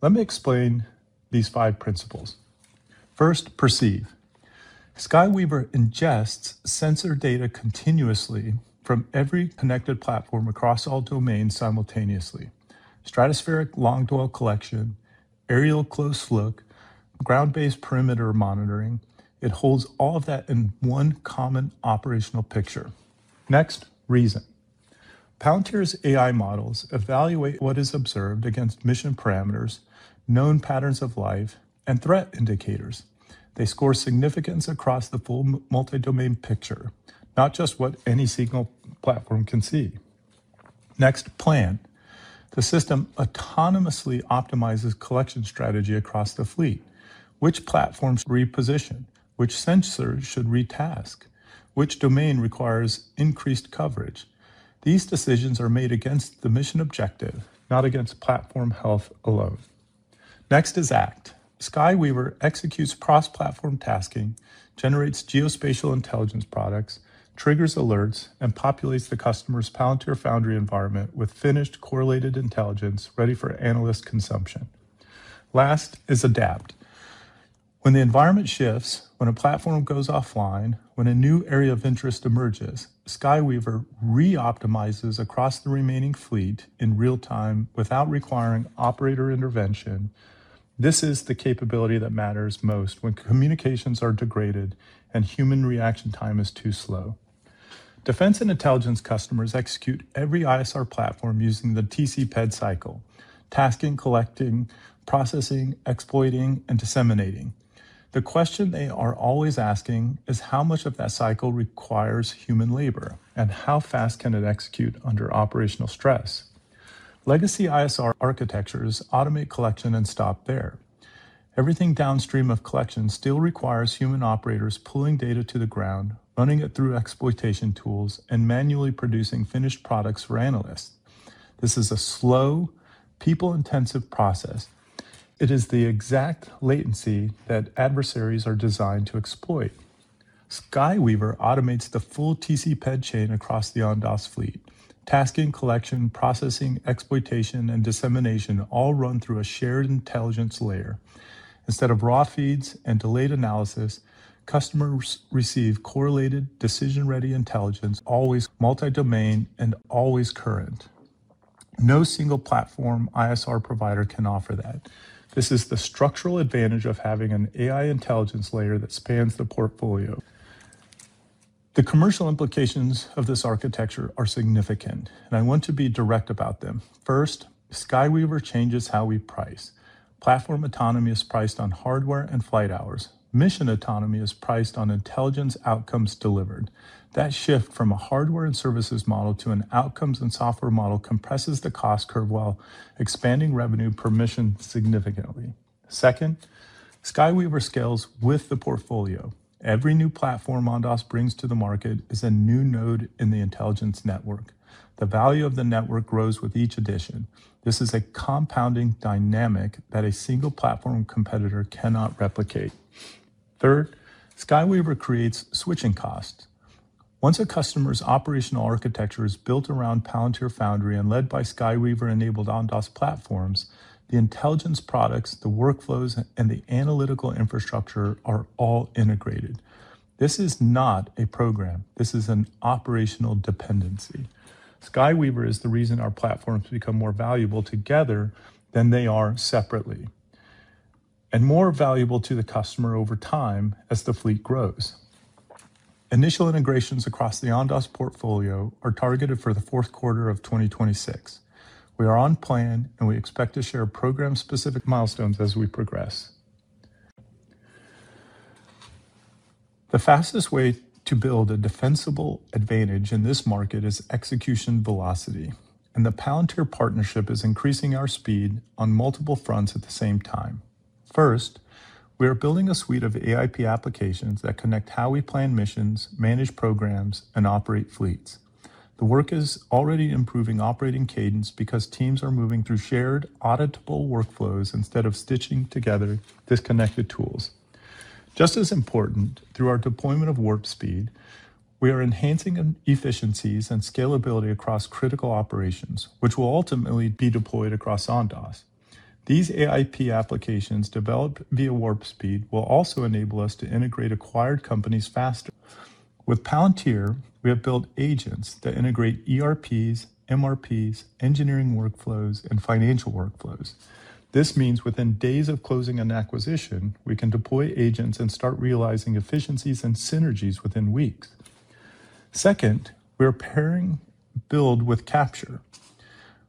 Let me explain these five principles. First, perceive. SkyWeaver ingests sensor data continuously from every connected platform across all domains simultaneously. Stratospheric long dwell collection, aerial close look, ground-based perimeter monitoring. It holds all of that in one common operational picture. Next, reason. Palantir's AI models evaluate what is observed against mission parameters, known patterns of life, and threat indicators. They score significance across the full multi-domain picture, not just what any single platform can see. Next, plan. The system autonomously optimizes collection strategy across the fleet. Which platforms reposition? Which sensors should re-task? Which domain requires increased coverage? These decisions are made against the mission objective, not against platform health alone. Next is act. SkyWeaver executes cross-platform tasking, generates geospatial intelligence products, triggers alerts, and populates the customer's Palantir Foundry environment with finished correlated intelligence ready for analyst consumption. Last is adapt. When the environment shifts, when a platform goes offline, when a new area of interest emerges, SkyWeaver re-optimizes across the remaining fleet in real-time without requiring operator intervention. This is the capability that matters most when communications are degraded and human reaction time is too slow. Defense and intelligence customers execute every ISR platform using the TCPED cycle, tasking, collecting, processing, exploiting, and disseminating. The question they are always asking is how much of that cycle requires human labor and how fast can it execute under operational stress? Legacy ISR architectures automate collection and stop there. Everything downstream of collection still requires human operators pulling data to the ground, running it through exploitation tools, and manually producing finished products for analysts. This is a slow, people-intensive process. It is the exact latency that adversaries are designed to exploit. SkyWeaver automates the full TCPED chain across the Ondas fleet. Tasking, collection, processing, exploitation, and dissemination all run through a shared intelligence layer. Instead of raw feeds and delayed analysis, customers receive correlated decision-ready intelligence, always multi-domain and always current. No single platform ISR provider can offer that. This is the structural advantage of having an AI intelligence layer that spans the portfolio. The commercial implications of this architecture are significant, and I want to be direct about them. First, SkyWeaver changes how we price. Platform autonomy is priced on hardware and flight hours. Mission autonomy is priced on intelligence outcomes delivered. That shift from a hardware and services model to an outcomes and software model compresses the cost curve while expanding revenue per mission significantly. Second, SkyWeaver scales with the portfolio. Every new platform Ondas brings to the market is a new node in the intelligence network. The value of the network grows with each addition. This is a compounding dynamic that a single platform competitor cannot replicate. Third, SkyWeaver creates switching costs. Once a customer's operational architecture is built around Palantir Foundry and led by SkyWeaver-enabled Ondas platforms, the intelligence products, the workflows, and the analytical infrastructure are all integrated. This is not a program. This is an operational dependency. SkyWeaver is the reason our platforms become more valuable together than they are separately and more valuable to the customer over time as the fleet grows. Initial integrations across the Ondas portfolio are targeted for the fourth quarter of 2026. We are on plan, and we expect to share program-specific milestones as we progress. The fastest way to build a defensible advantage in this market is execution velocity, and the Palantir partnership is increasing our speed on multiple fronts at the same time. First, we are building a suite of AIP applications that connect how we plan missions, manage programs, and operate fleets. The work is already improving operating cadence because teams are moving through shared auditable workflows instead of stitching together disconnected tools. Just as important, through our deployment of Warp Speed, we are enhancing efficiencies and scalability across critical operations, which will ultimately be deployed across Ondas. These AIP applications developed via Warp Speed will also enable us to integrate acquired companies faster. With Palantir, we have built agents that integrate ERPs, MRPs, engineering workflows, and financial workflows. This means within days of closing an acquisition, we can deploy agents and start realizing efficiencies and synergies within weeks. Second, we are pairing build with capture.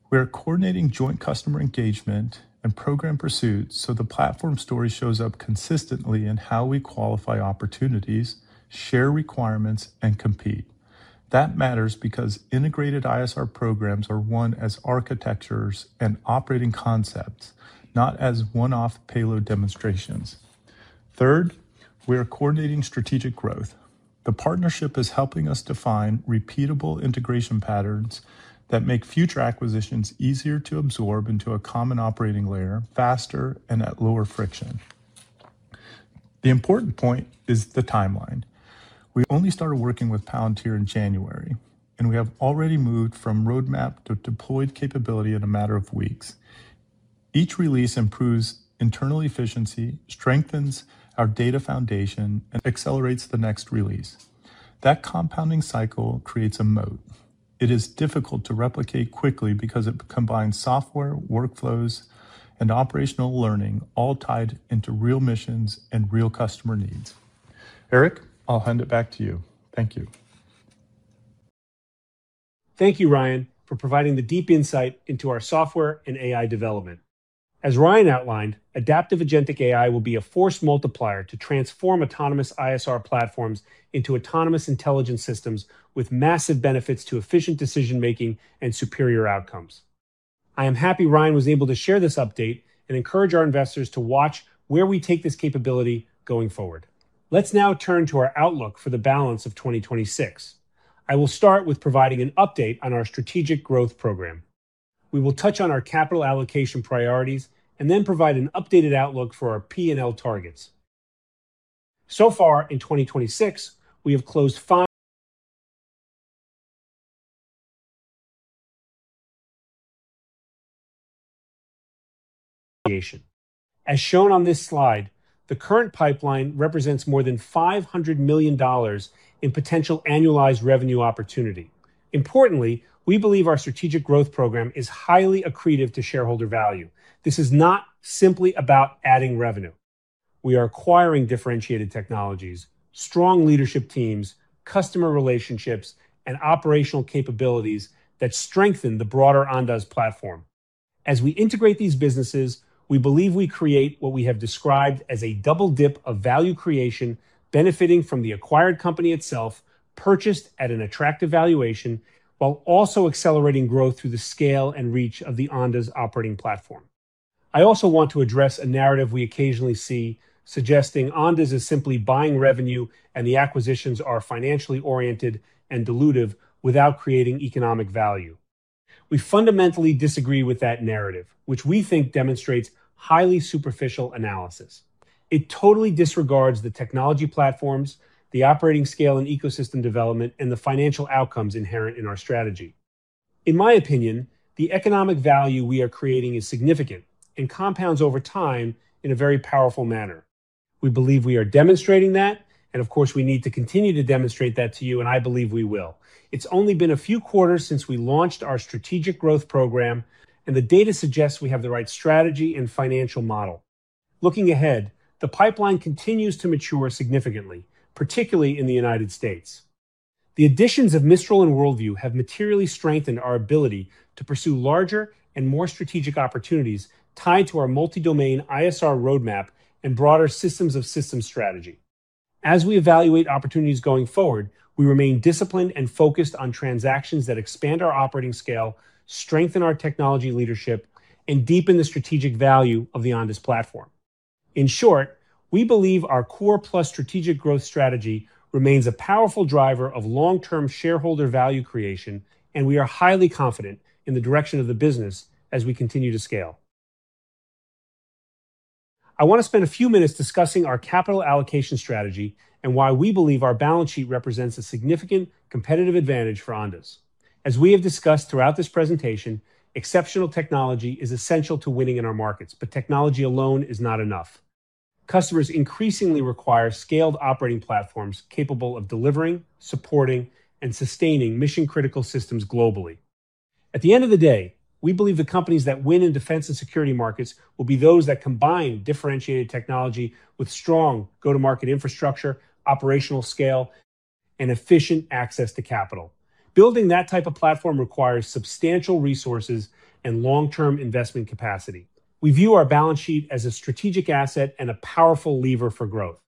We are coordinating joint customer engagement and program pursuits so the platform story shows up consistently in how we qualify opportunities, share requirements, and compete. That matters because integrated ISR programs are won as architectures and operating concepts, not as one-off payload demonstrations. Third, we are coordinating strategic growth. The partnership is helping us define repeatable integration patterns that make future acquisitions easier to absorb into a common operating layer faster and at lower friction. The important point is the timeline. We only started working with Palantir in January, we have already moved from roadmap to deployed capability in a matter of weeks. Each release improves internal efficiency, strengthens our data foundation, accelerates the next release. That compounding cycle creates a moat. It is difficult to replicate quickly because it combines software, workflows, and operational learning all tied into real missions and real customer needs. Eric, I'll hand it back to you. Thank you. Thank you, Ryan, for providing the deep insight into our software and agentic AI development. As Ryan outlined, adaptive agentic AI will be a force multiplier to transform autonomous ISR platforms into autonomous intelligence systems with massive benefits to efficient decision-making and superior outcomes. I am happy Ryan was able to share this update and encourage our investors to watch where we take this capability going forward. Let's now turn to our outlook for the balance of 2026. I will start with providing an update on our strategic growth program. We will touch on our capital allocation priorities and then provide an updated outlook for our P&L targets. So far in 2026, we have closed. As shown on this slide, the current pipeline represents more than $500 million in potential annualized revenue opportunity. Importantly, we believe our strategic growth program is highly accretive to shareholder value. This is not simply about adding revenue. We are acquiring differentiated technologies, strong leadership teams, customer relationships, and operational capabilities that strengthen the broader Ondas platform. As we integrate these businesses, we believe we create what we have described as a double dip of value creation benefiting from the acquired company itself, purchased at an attractive valuation, while also accelerating growth through the scale and reach of the Ondas operating platform. I also want to address a narrative we occasionally see suggesting Ondas is simply buying revenue and the acquisitions are financially oriented and dilutive without creating economic value. We fundamentally disagree with that narrative, which we think demonstrates highly superficial analysis. It totally disregards the technology platforms, the operating scale and ecosystem development, and the financial outcomes inherent in our strategy. In my opinion, the economic value we are creating is significant and compounds over time in a very powerful manner. We believe we are demonstrating that, and of course, we need to continue to demonstrate that to you, and I believe we will. It's only been a few quarters since we launched our strategic growth program, and the data suggests we have the right strategy and financial model. Looking ahead, the pipeline continues to mature significantly, particularly in the U.S. The additions of Mistral and World View have materially strengthened our ability to pursue larger and more strategic opportunities tied to our multi-domain ISR roadmap and broader systems of systems strategy. As we evaluate opportunities going forward, we remain disciplined and focused on transactions that expand our operating scale, strengthen our technology leadership, and deepen the strategic value of the Ondas platform. In short, we believe our Core + Strategic growth strategy remains a powerful driver of long-term shareholder value creation, and we are highly confident in the direction of the business as we continue to scale. I want to spend a few minutes discussing our capital allocation strategy and why we believe our balance sheet represents a significant competitive advantage for Ondas. As we have discussed throughout this presentation, exceptional technology is essential to winning in our markets, but technology alone is not enough. Customers increasingly require scaled operating platforms capable of delivering, supporting, and sustaining mission-critical systems globally. At the end of the day, we believe the companies that win in defense and security markets will be those that combine differentiated technology with strong go-to-market infrastructure, operational scale and efficient access to capital. Building that type of platform requires substantial resources and long-term investment capacity. We view our balance sheet as a strategic asset and a powerful lever for growth.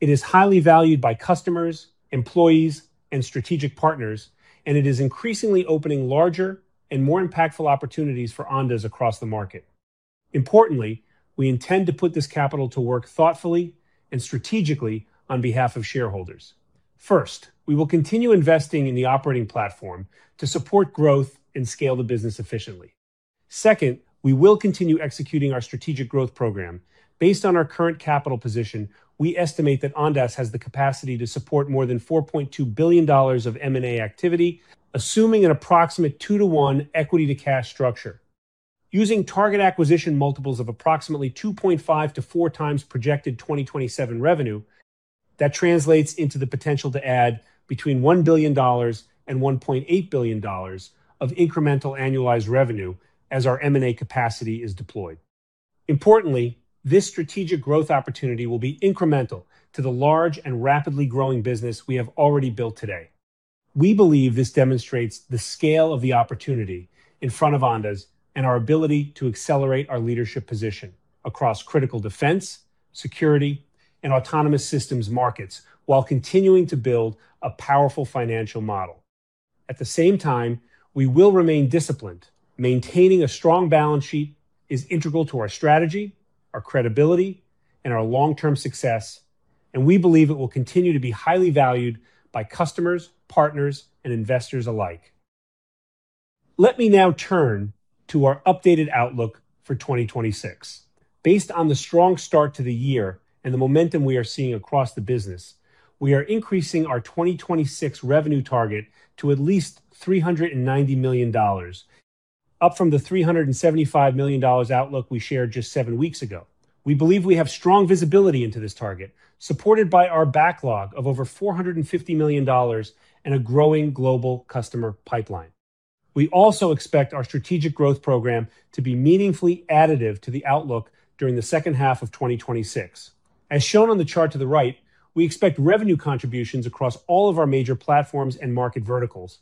It is highly valued by customers, employees, and strategic partners. It is increasingly opening larger and more impactful opportunities for Ondas across the market. Importantly, we intend to put this capital to work thoughtfully and strategically on behalf of shareholders. First, we will continue investing in the operating platform to support growth and scale the business efficiently. Second, we will continue executing our strategic growth program. Based on our current capital position, we estimate that Ondas has the capacity to support more than $4.2 billion of M&A activity, assuming an approximate 2-to-1 equity-to-cash structure. Using target acquisition multiples of approximately 2.5x-4x projected 2027 revenue, that translates into the potential to add between $1 billion and $1.8 billion of incremental annualized revenue as our M&A capacity is deployed. Importantly, this strategic growth opportunity will be incremental to the large and rapidly growing business we have already built today. We believe this demonstrates the scale of the opportunity in front of Ondas and our ability to accelerate our leadership position across critical defense, security, and autonomous systems markets while continuing to build a powerful financial model. At the same time, we will remain disciplined. Maintaining a strong balance sheet is integral to our strategy, our credibility, and our long-term success, and we believe it will continue to be highly valued by customers, partners, and investors alike. Let me now turn to our updated outlook for 2026. Based on the strong start to the year and the momentum we are seeing across the business, we are increasing our 2026 revenue target to at least $390 million, up from the $375 million outlook we shared just seven weeks ago. We believe we have strong visibility into this target, supported by our backlog of over $450 million and a growing global customer pipeline. We also expect our strategic growth program to be meaningfully additive to the outlook during the second half of 2026. As shown on the chart to the right, we expect revenue contributions across all of our major platforms and market verticals.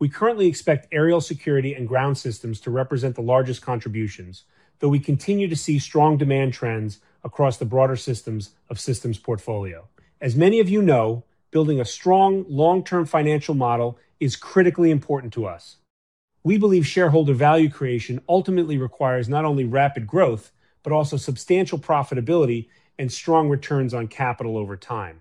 We currently expect aerial security and ground systems to represent the largest contributions, though we continue to see strong demand trends across the broader systems of systems portfolio. As many of you know, building a strong long-term financial model is critically important to us. We believe shareholder value creation ultimately requires not only rapid growth, but also substantial profitability and strong returns on capital over time.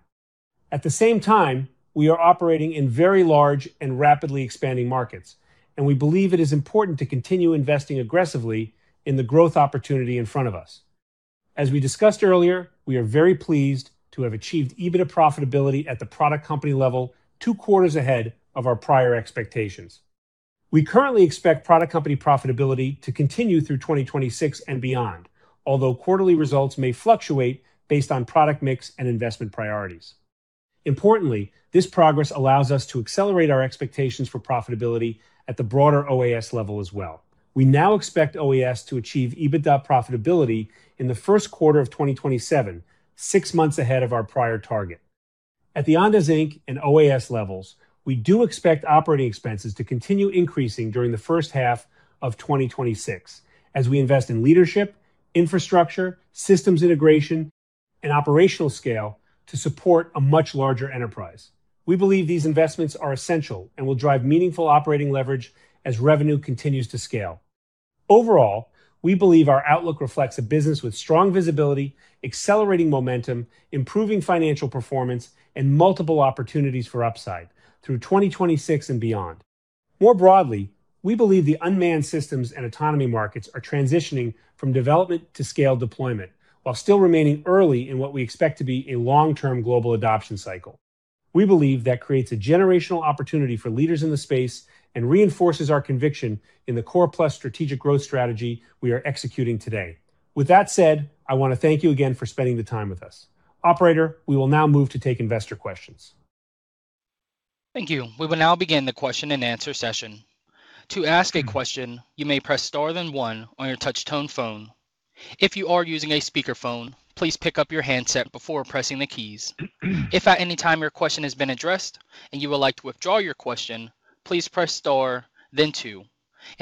At the same time, we are operating in very large and rapidly expanding markets, and we believe it is important to continue investing aggressively in the growth opportunity in front of us. As we discussed earlier, we are very pleased to have achieved EBITDA profitability at the product company level two quarters ahead of our prior expectations. We currently expect product company profitability to continue through 2026 and beyond, although quarterly results may fluctuate based on product mix and investment priorities. Importantly, this progress allows us to accelerate our expectations for profitability at the broader OAS level as well. We now expect OAS to achieve EBITDA profitability in the first quarter of 2027, six months ahead of our prior target. At the Ondas Inc. and OAS levels, we do expect operating expenses to continue increasing during the first half of 2026 as we invest in leadership, infrastructure, systems integration, and operational scale to support a much larger enterprise. We believe these investments are essential and will drive meaningful operating leverage as revenue continues to scale. Overall, we believe our outlook reflects a business with strong visibility, accelerating momentum, improving financial performance, and multiple opportunities for upside through 2026 and beyond. More broadly, we believe the unmanned systems and autonomy markets are transitioning from development to scale deployment while still remaining early in what we expect to be a long-term global adoption cycle. We believe that creates a generational opportunity for leaders in the space and reinforces our conviction in the core plus strategic growth strategy we are executing today. With that said, I want to thank you again for spending the time with us. Operator, we will now move to take investor questions. Thank you. We will now begin the question-and-answer session. To ask a question you may press star then one on your touchtone phone. If you may need to use speaker phone, please peak up your handset before pressing the keys. If at any time your question has been addressed, and you would like to withdraw your question, please press star then two.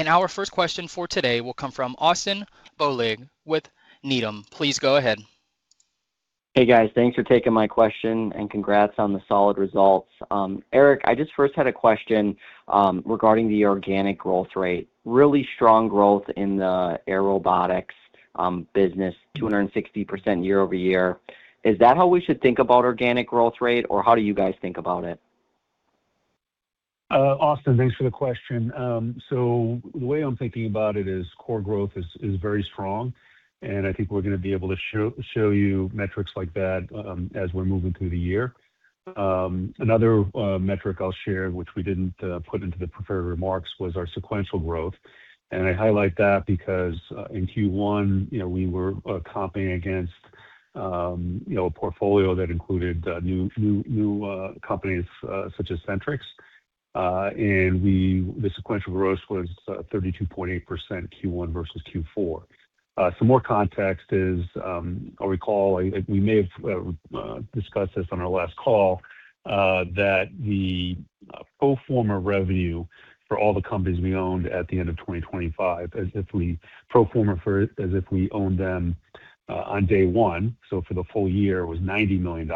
Our first question for today will come from Austin Bohlig with Needham. Please go ahead. Hey, guys. Thanks for taking my question, and congrats on the solid results. Eric, I just first had a question regarding the organic growth rate. Really strong growth in the Airobotics business, 260% year-over-year. Is that how we should think about organic growth rate, or how do you guys think about it? Austin, thanks for the question. The way I'm thinking about it is core growth is very strong, and I think we're gonna be able to show you metrics like that, as we're moving through the year. Another metric I'll share, which we didn't put into the prepared remarks, was our sequential growth. I highlight that because in Q1, you know, we were comping against, you know, a portfolio that included new companies, such as Sentrycs. We, the sequential gross was 32.8% Q1 versus Q4. Some more context is, I'll recall, like, we may have discussed this on our last call, that the pro forma revenue for all the companies we owned at the end of 2025 as if we pro forma for as if we owned them on day one, so for the full year was $90 million.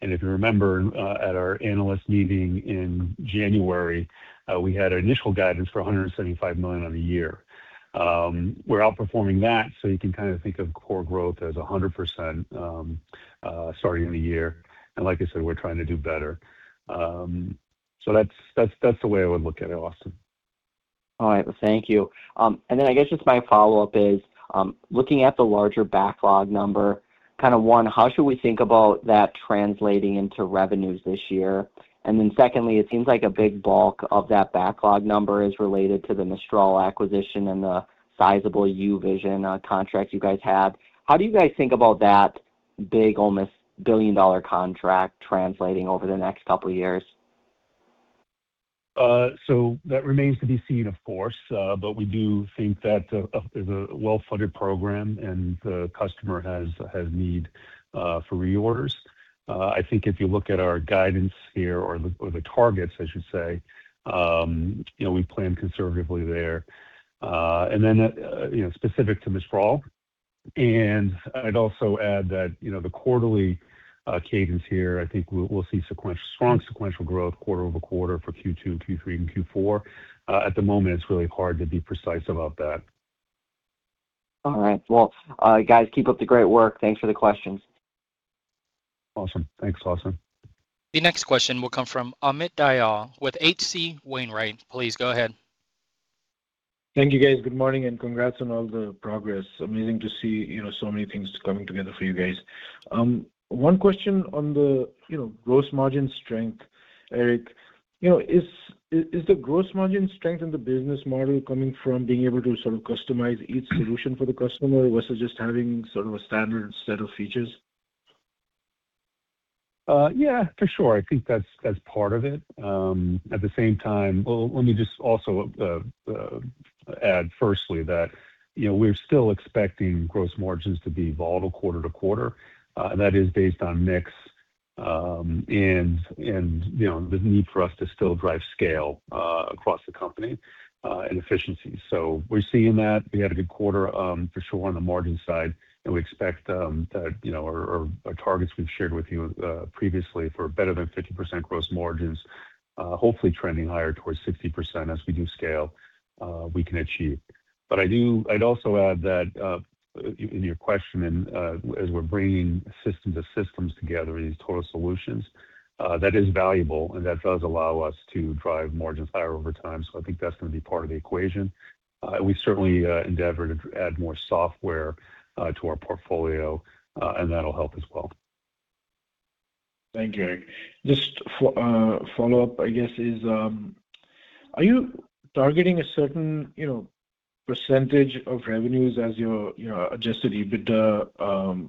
If you remember, at our analyst meeting in January, we had our initial guidance for $175 million on the year. We're outperforming that, so you can kind of think of core growth as 100% starting in the year. Like I said, we're trying to do better. So that's the way I would look at it, Austin. All right. Thank you. I guess just my follow-up is, looking at the larger backlog number, kind of one, how should we think about that translating into revenues this year? Secondly, it seems like a big bulk of that backlog number is related to the Mistral acquisition and the sizable UVision contract you guys have. How do you guys think about that big, almost billion-dollar contract translating over the next couple of years? That remains to be seen, of course. We do think that there's a well-funded program, and the customer has need for reorders. I think if you look at our guidance here or the, or the targets, I should say, you know, we plan conservatively there. Then, you know, specific to Mistral, and I'd also add that, you know, the quarterly cadence here, I think we'll see strong sequential growth quarter-over-quarter for Q2 and Q3 and Q4. At the moment, it's really hard to be precise about that. All right. Well, guys, keep up the great work. Thanks for the questions. Awesome. Thanks, Austin. The next question will come from Amit Dayal with H.C. Wainwright. Please go ahead. Thank you, guys. Good morning, and congrats on all the progress. Amazing to see, you know, so many things coming together for you guys. One question on the, you know, gross margin strength, Eric. You know, is the gross margin strength in the business model coming from being able to sort of customize each solution for the customer versus just having sort of a standard set of features? Yeah, for sure. I think that's part of it. At the same time, let me just also add firstly that, you know, we're still expecting gross margins to be volatile quarter-to-quarter, and that is based on mix, and, you know, the need for us to still drive scale across the company and efficiency. We're seeing that. We had a good quarter for sure on the margin side, and we expect that, you know, our targets we've shared with you previously for better than 50% gross margins, hopefully trending higher towards 60% as we do scale, we can achieve. I'd also add that in your question and as we're bringing systems of systems together in these total solutions, that is valuable, and that does allow us to drive margins higher over time. I think that's gonna be part of the equation. We certainly endeavor to add more software to our portfolio, and that'll help as well. Thank you, Eric. Just follow-up, I guess is, are you targeting a certain, you know, percentage of revenues as your adjusted EBITDA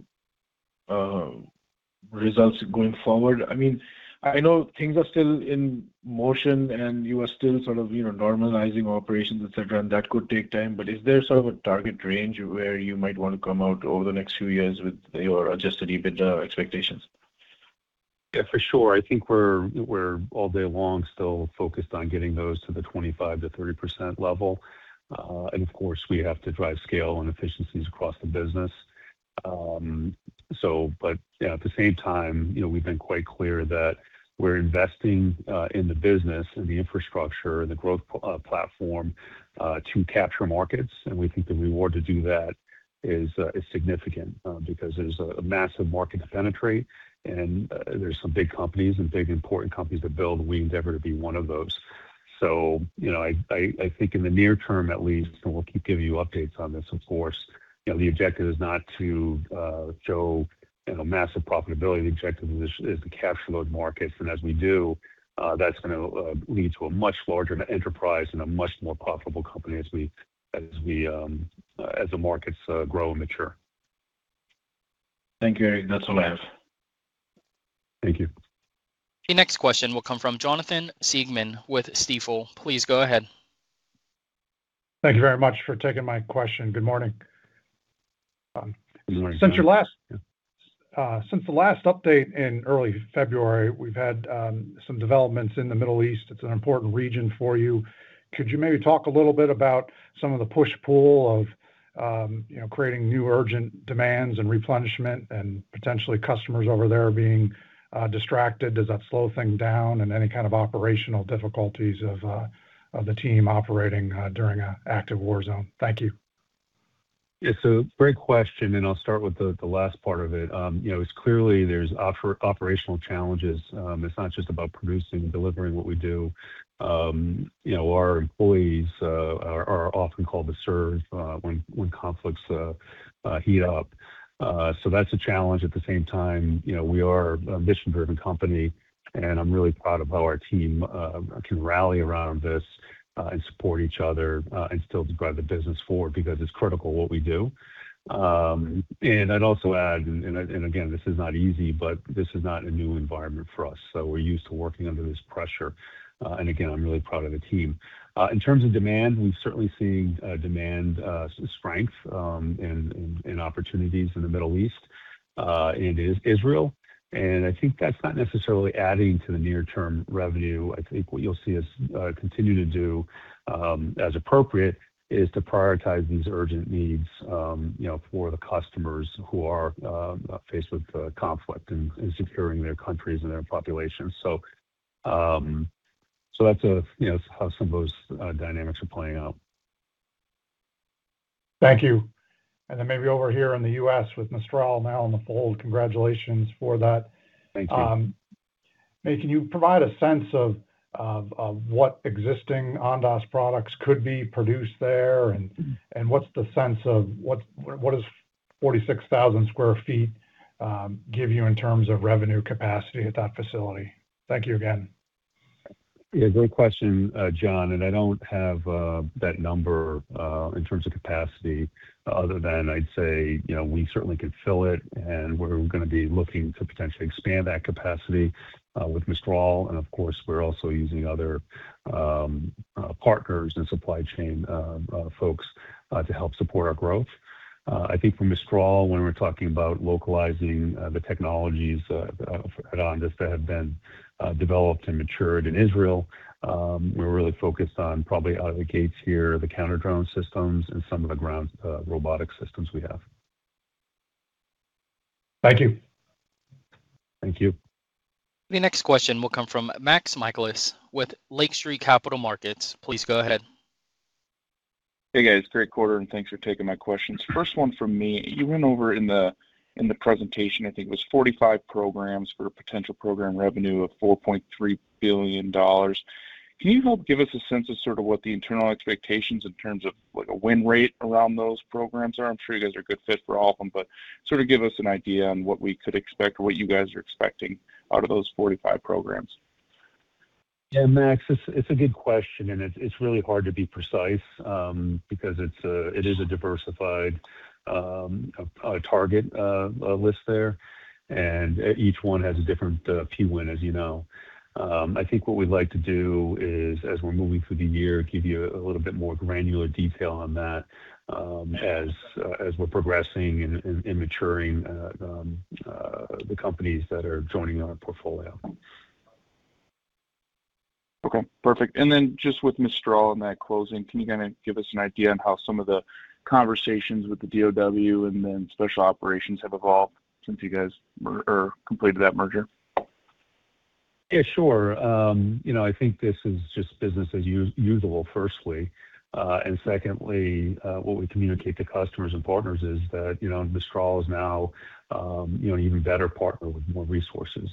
results going forward? I mean, I know things are still in motion and you are still sort of, you know, normalizing operations, et cetera, and that could take time. Is there sort of a target range where you might want to come out over the next few years with your adjusted EBITDA expectations? Yeah, for sure. I think we're all day long still focused on getting those to the 25%-30% level. Of course, we have to drive scale and efficiencies across the business. But yeah, at the same time, you know, we've been quite clear that we're investing in the business and the infrastructure, the growth platform, to capture markets. We think the reward to do that is significant because there's a massive market to penetrate, and there's some big companies and big important companies that build, we endeavor to be one of those. You know, I think in the near term, at least, and we'll keep giving you updates on this, of course, you know, the objective is not to show, you know, massive profitability. The objective of this is to capture those markets. As we do, that's gonna lead to a much larger enterprise and a much more profitable company as we, as the markets grow and mature. Thank you, Eric. That's all I have. Thank you. The next question will come from Jonathan Siegmann with Stifel. Please go ahead. Thank you very much for taking my question. Good morning. Good morning. Since the last update in early February, we've had some developments in the Middle East. It's an important region for you. Could you maybe talk a little bit about some of the push-pull of, you know, creating new urgent demands and replenishment and potentially customers over there being distracted? Does that slow things down and any kind of operational difficulties of the team operating during an active war zone? Thank you. It's a great question, and I'll start with the last part of it. You know, it's clearly there's operational challenges. It's not just about producing and delivering what we do. You know, our employees are often called to serve when conflicts heat up. That's a challenge. At the same time, you know, we are a mission-driven company, and I'm really proud of how our team can rally around this. Support each other and still drive the business forward because it's critical what we do. I'd also add, and again, this is not easy, but this is not a new environment for us, we're used to working under this pressure. Again, I'm really proud of the team. In terms of demand, we've certainly seen demand strength in opportunities in the Middle East and Israel. I think that's not necessarily adding to the near-term revenue. I think what you'll see us continue to do, as appropriate, is to prioritize these urgent needs, you know, for the customers who are faced with the conflict and securing their countries and their populations. That's, you know, how some of those dynamics are playing out. Thank you. Maybe over here in the U.S. with Mistral now in the fold, congratulations for that. Thank you. I mean, can you provide a sense of what existing Ondas products could be produced there? What's the sense of what does 46,000 sq ft give you in terms of revenue capacity at that facility? Thank you again. Yeah, great question, Jon. I don't have that number in terms of capacity other than I'd say, you know, we certainly can fill it, and we're gonna be looking to potentially expand that capacity with Mistral. Of course, we're also using other partners and supply chain folks to help support our growth. I think for Mistral, when we're talking about localizing the technologies for Ondas that have been developed and matured in Israel, we're really focused on probably out of the gates here, the counter-drone systems and some of the ground robotic systems we have. Thank you. Thank you. The next question will come from Max Michaelis with Lake Street Capital Markets. Please go ahead. Hey, guys. Great quarter, and thanks for taking my questions. First one from me. You went over in the, in the presentation, I think it was 45 programs for potential program revenue of $4.3 billion. Can you help give us a sense of sort of what the internal expectations in terms of like a win rate around those programs are? I'm sure you guys are a good fit for all of them, but sort of give us an idea on what we could expect or what you guys are expecting out of those 45 programs. Yeah, Max, it's a good question, and it's really hard to be precise, because it is a diversified, a target list there. Each one has a different p-win, as you know. I think what we'd like to do is, as we're moving through the year, give you a little bit more granular detail on that, as we're progressing and maturing the companies that are joining our portfolio. Okay, perfect. Just with Mistral and that closing, can you kind of give us an idea on how some of the conversations with the DoD and then special operations have evolved since you guys completed that merger? Sure. You know, I think this is just business as usual, firstly. Secondly, what we communicate to customers and partners is that, you know, Mistral is now, you know, an even better partner with more resources.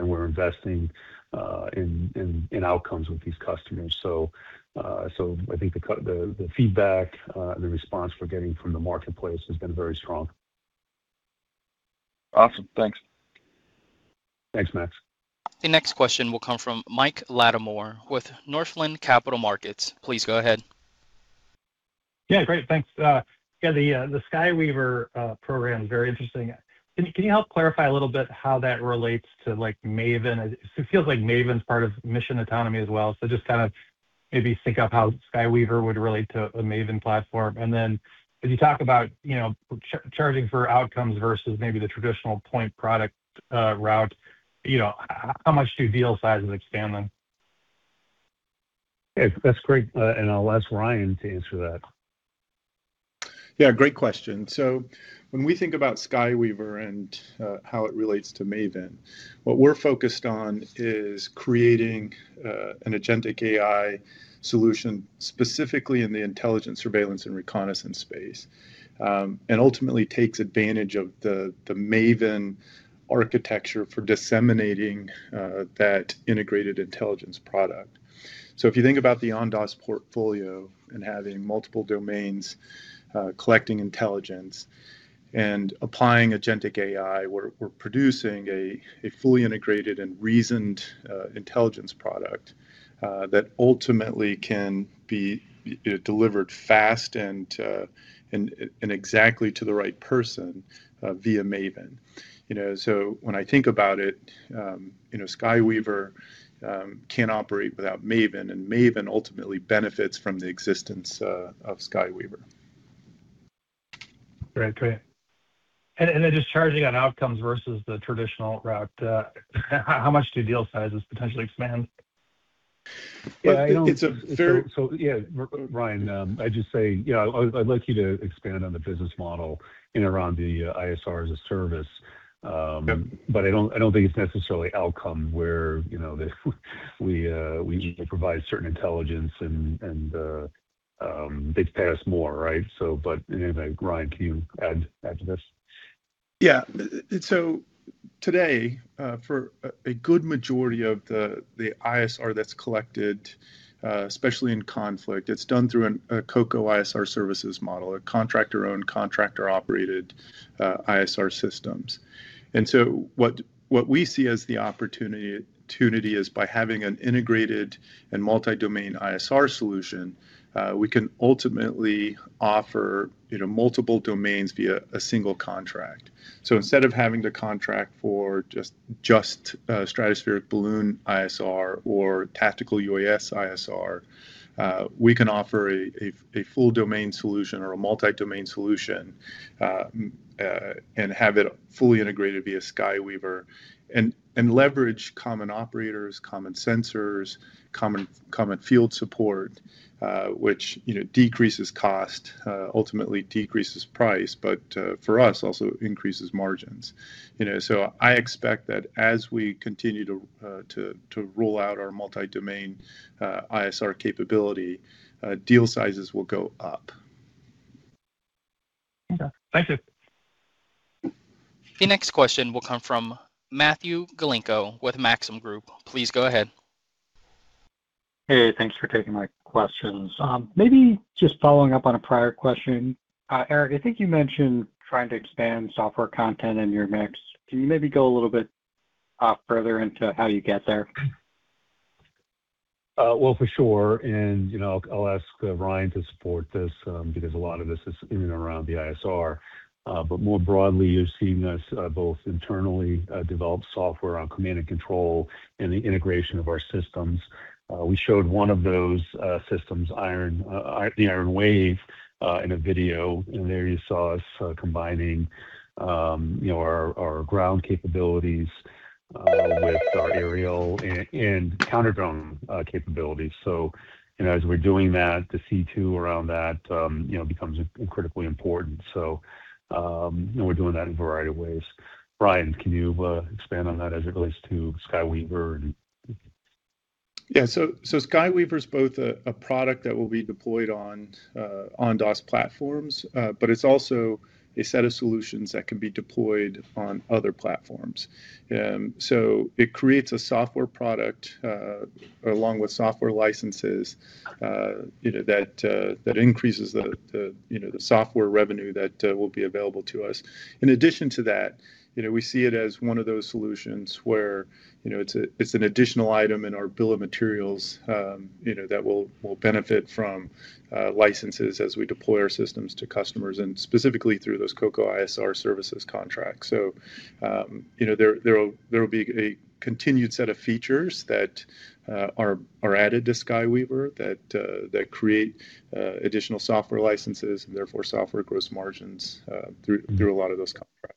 We're investing in outcomes with these customers. I think the feedback, the response we're getting from the marketplace has been very strong. Awesome. Thanks. Thanks, Max. The next question will come from Mike Latimore with Northland Capital Markets. Please go ahead. Great. Thanks. The SkyWeaver program, very interesting. Can you help clarify a little bit how that relates to, like, Maven? It feels like Maven's part of mission autonomy as well. Just kinda maybe think of how SkyWeaver would relate to a Maven platform. Then as you talk about, you know, charging for outcomes versus maybe the traditional point product route, you know, how much do deal sizes expand then? Yeah, that's great. I'll ask Ryan to answer that. Yeah, great question. When we think about SkyWeaver and how it relates to Maven, what we're focused on is creating an agentic AI solution specifically in the intelligence, surveillance, and reconnaissance space. Ultimately takes advantage of the Maven architecture for disseminating that integrated intelligence product. If you think about the Ondas portfolio and having multiple domains, collecting intelligence and applying agentic AI, we're producing a fully integrated and reasoned intelligence product that ultimately can be delivered fast and exactly to the right person via Maven. You know, when I think about it, you know, SkyWeaver can't operate without Maven, and Maven ultimately benefits from the existence of SkyWeaver. Great. Great. Then just charging on outcomes versus the traditional route, how much do deal sizes potentially expand? Yeah, I don't- It's a very- Yeah, Ryan, I just say, you know, I'd like you to expand on the business model in around the ISR as a service. Yep I don't think it's necessarily outcome where, you know, we provide certain intelligence and, they pay us more, right? Anyway, Ryan, can you add to this? Yeah. Today, for a good majority of the ISR that's collected, especially in conflict, it's done through a COCO ISR services model, a contractor-owned, contractor-operated, ISR systems. What we see as the opportunity is by having an integrated and multi-domain ISR solution, we can ultimately offer, you know, multiple domains via a single contract. Instead of having to contract for just stratospheric balloon ISR or tactical UAS ISR, we can offer a full domain solution or a multi-domain solution and have it fully integrated via SkyWeaver and leverage common operators, common sensors, common field support, which, you know, decreases cost, ultimately decreases price. For us, also increases margins. You know, I expect that as we continue to roll out our multi-domain ISR capability, deal sizes will go up. Okay. Thank you. The next question will come from Matthew Golinko with Maxim Group. Please go ahead. Hey, thanks for taking my questions. Maybe just following up on a prior question. Eric, I think you mentioned trying to expand software content in your mix. Can you maybe go a little bit further into how you get there? Well, for sure. You know, I'll ask Ryan to support this, because a lot of this is in and around the ISR. More broadly, you're seeing us, both internally, develop software on command and control and the integration of our systems. We showed one of those systems, IRON-WAVE, in a video. There you saw us combining, you know, our ground capabilities with our aerial and counter-drone capabilities. You know, as we're doing that, the C2 around that, you know, becomes critically important. We're doing that in a variety of ways. Ryan, can you expand on that as it relates to SkyWeaver. Yeah. So SkyWeaver's both a product that will be deployed on Ondas platforms, but it's also a set of solutions that can be deployed on other platforms. It creates a software product, along with software licenses, you know, that increases the, you know, the software revenue that will be available to us. In addition to that, you know, we see it as one of those solutions where, you know, it's an additional item in our bill of materials, you know, that will benefit from licenses as we deploy our systems to customers, and specifically through those COCO ISR services contracts. You know, there will be a continued set of features that are added to SkyWeaver that create additional software licenses, and therefore software gross margins, through a lot of those contracts.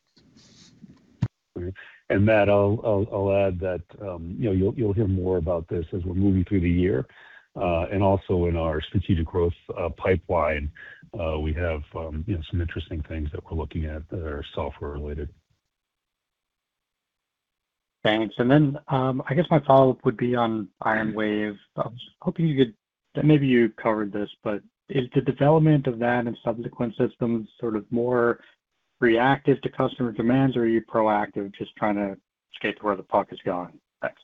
All right. Matt, I'll add that, you know, you'll hear more about this as we're moving through the year. Also in our strategic growth pipeline, we have, you know, some interesting things that we're looking at that are software related. Thanks. I guess my follow-up would be on IRON-WAVE. I was hoping that maybe you covered this, but is the development of that and subsequent systems sort of more reactive to customer demands, or are you proactive just trying to skate to where the puck is going next?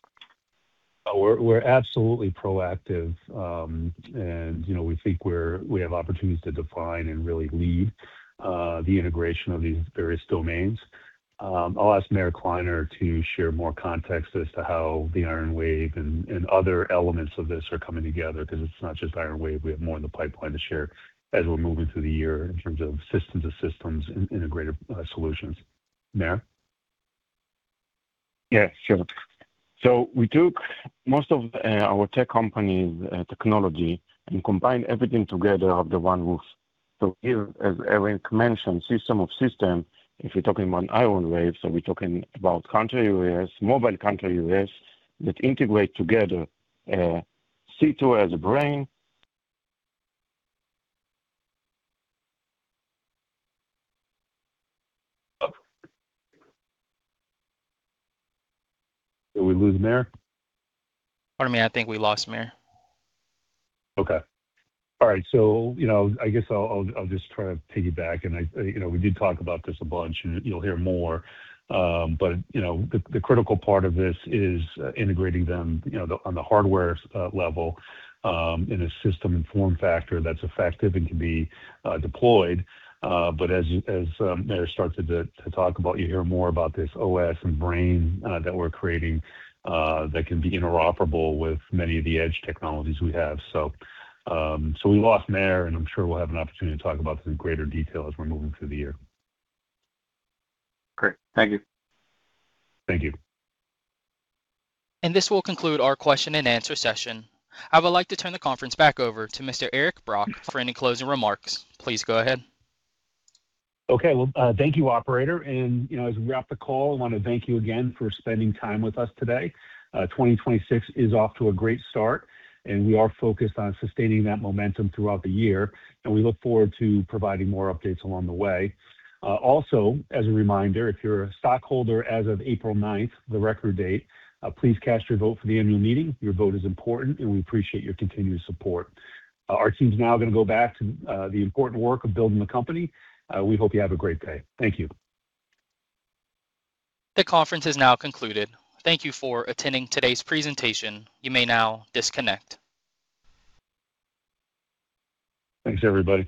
We're absolutely proactive. You know, we think we have opportunities to define and really lead the integration of these various domains. I'll ask Meir Kliner to share more context as to how the Iron Drone and other elements of this are coming together, because it's not just Iron Drone. We have more in the pipeline to share as we're moving through the year in terms of systems of systems and integrated solutions. Meir? We took most of our tech company's technology and combined everything together under one roof. Here, as Eric mentioned, system of system, if we're talking about IRON-WAVE, we're talking about counter-UAS, mobile counter-UAS that integrate together, C2 as a brain. Did we lose Meir? Pardon me, I think we lost Meir. Okay. All right. You know, I guess I'll just try to piggyback. I, you know, we did talk about this a bunch, and you'll hear more. You know, the critical part of this is integrating them, you know, on the hardware level, in a system and form factor that's effective and can be deployed. As Meir started to talk about, you hear more about this OS and brain that we're creating that can be interoperable with many of the edge technologies we have. We lost Meir, and I'm sure we'll have an opportunity to talk about this in greater detail as we're moving through the year. Great. Thank you. Thank you. This will conclude our question-and-answer session. I would like to turn the conference back over to Mr. Eric Brock for any closing remarks. Please go ahead. Okay. Well, thank you, operator. You know, as we wrap the call, I want to thank you again for spending time with us today. 2026 is off to a great start, and we are focused on sustaining that momentum throughout the year, and we look forward to providing more updates along the way. Also, as a reminder, if you're a stockholder as of April 9th, the record date, please cast your vote for the annual meeting. Your vote is important, and we appreciate your continued support. Our team's now going to go back to the important work of building the company. We hope you have a great day. Thank you. The conference is now concluded. Thank you for attending today's presentation. You may now disconnect. Thanks, everybody.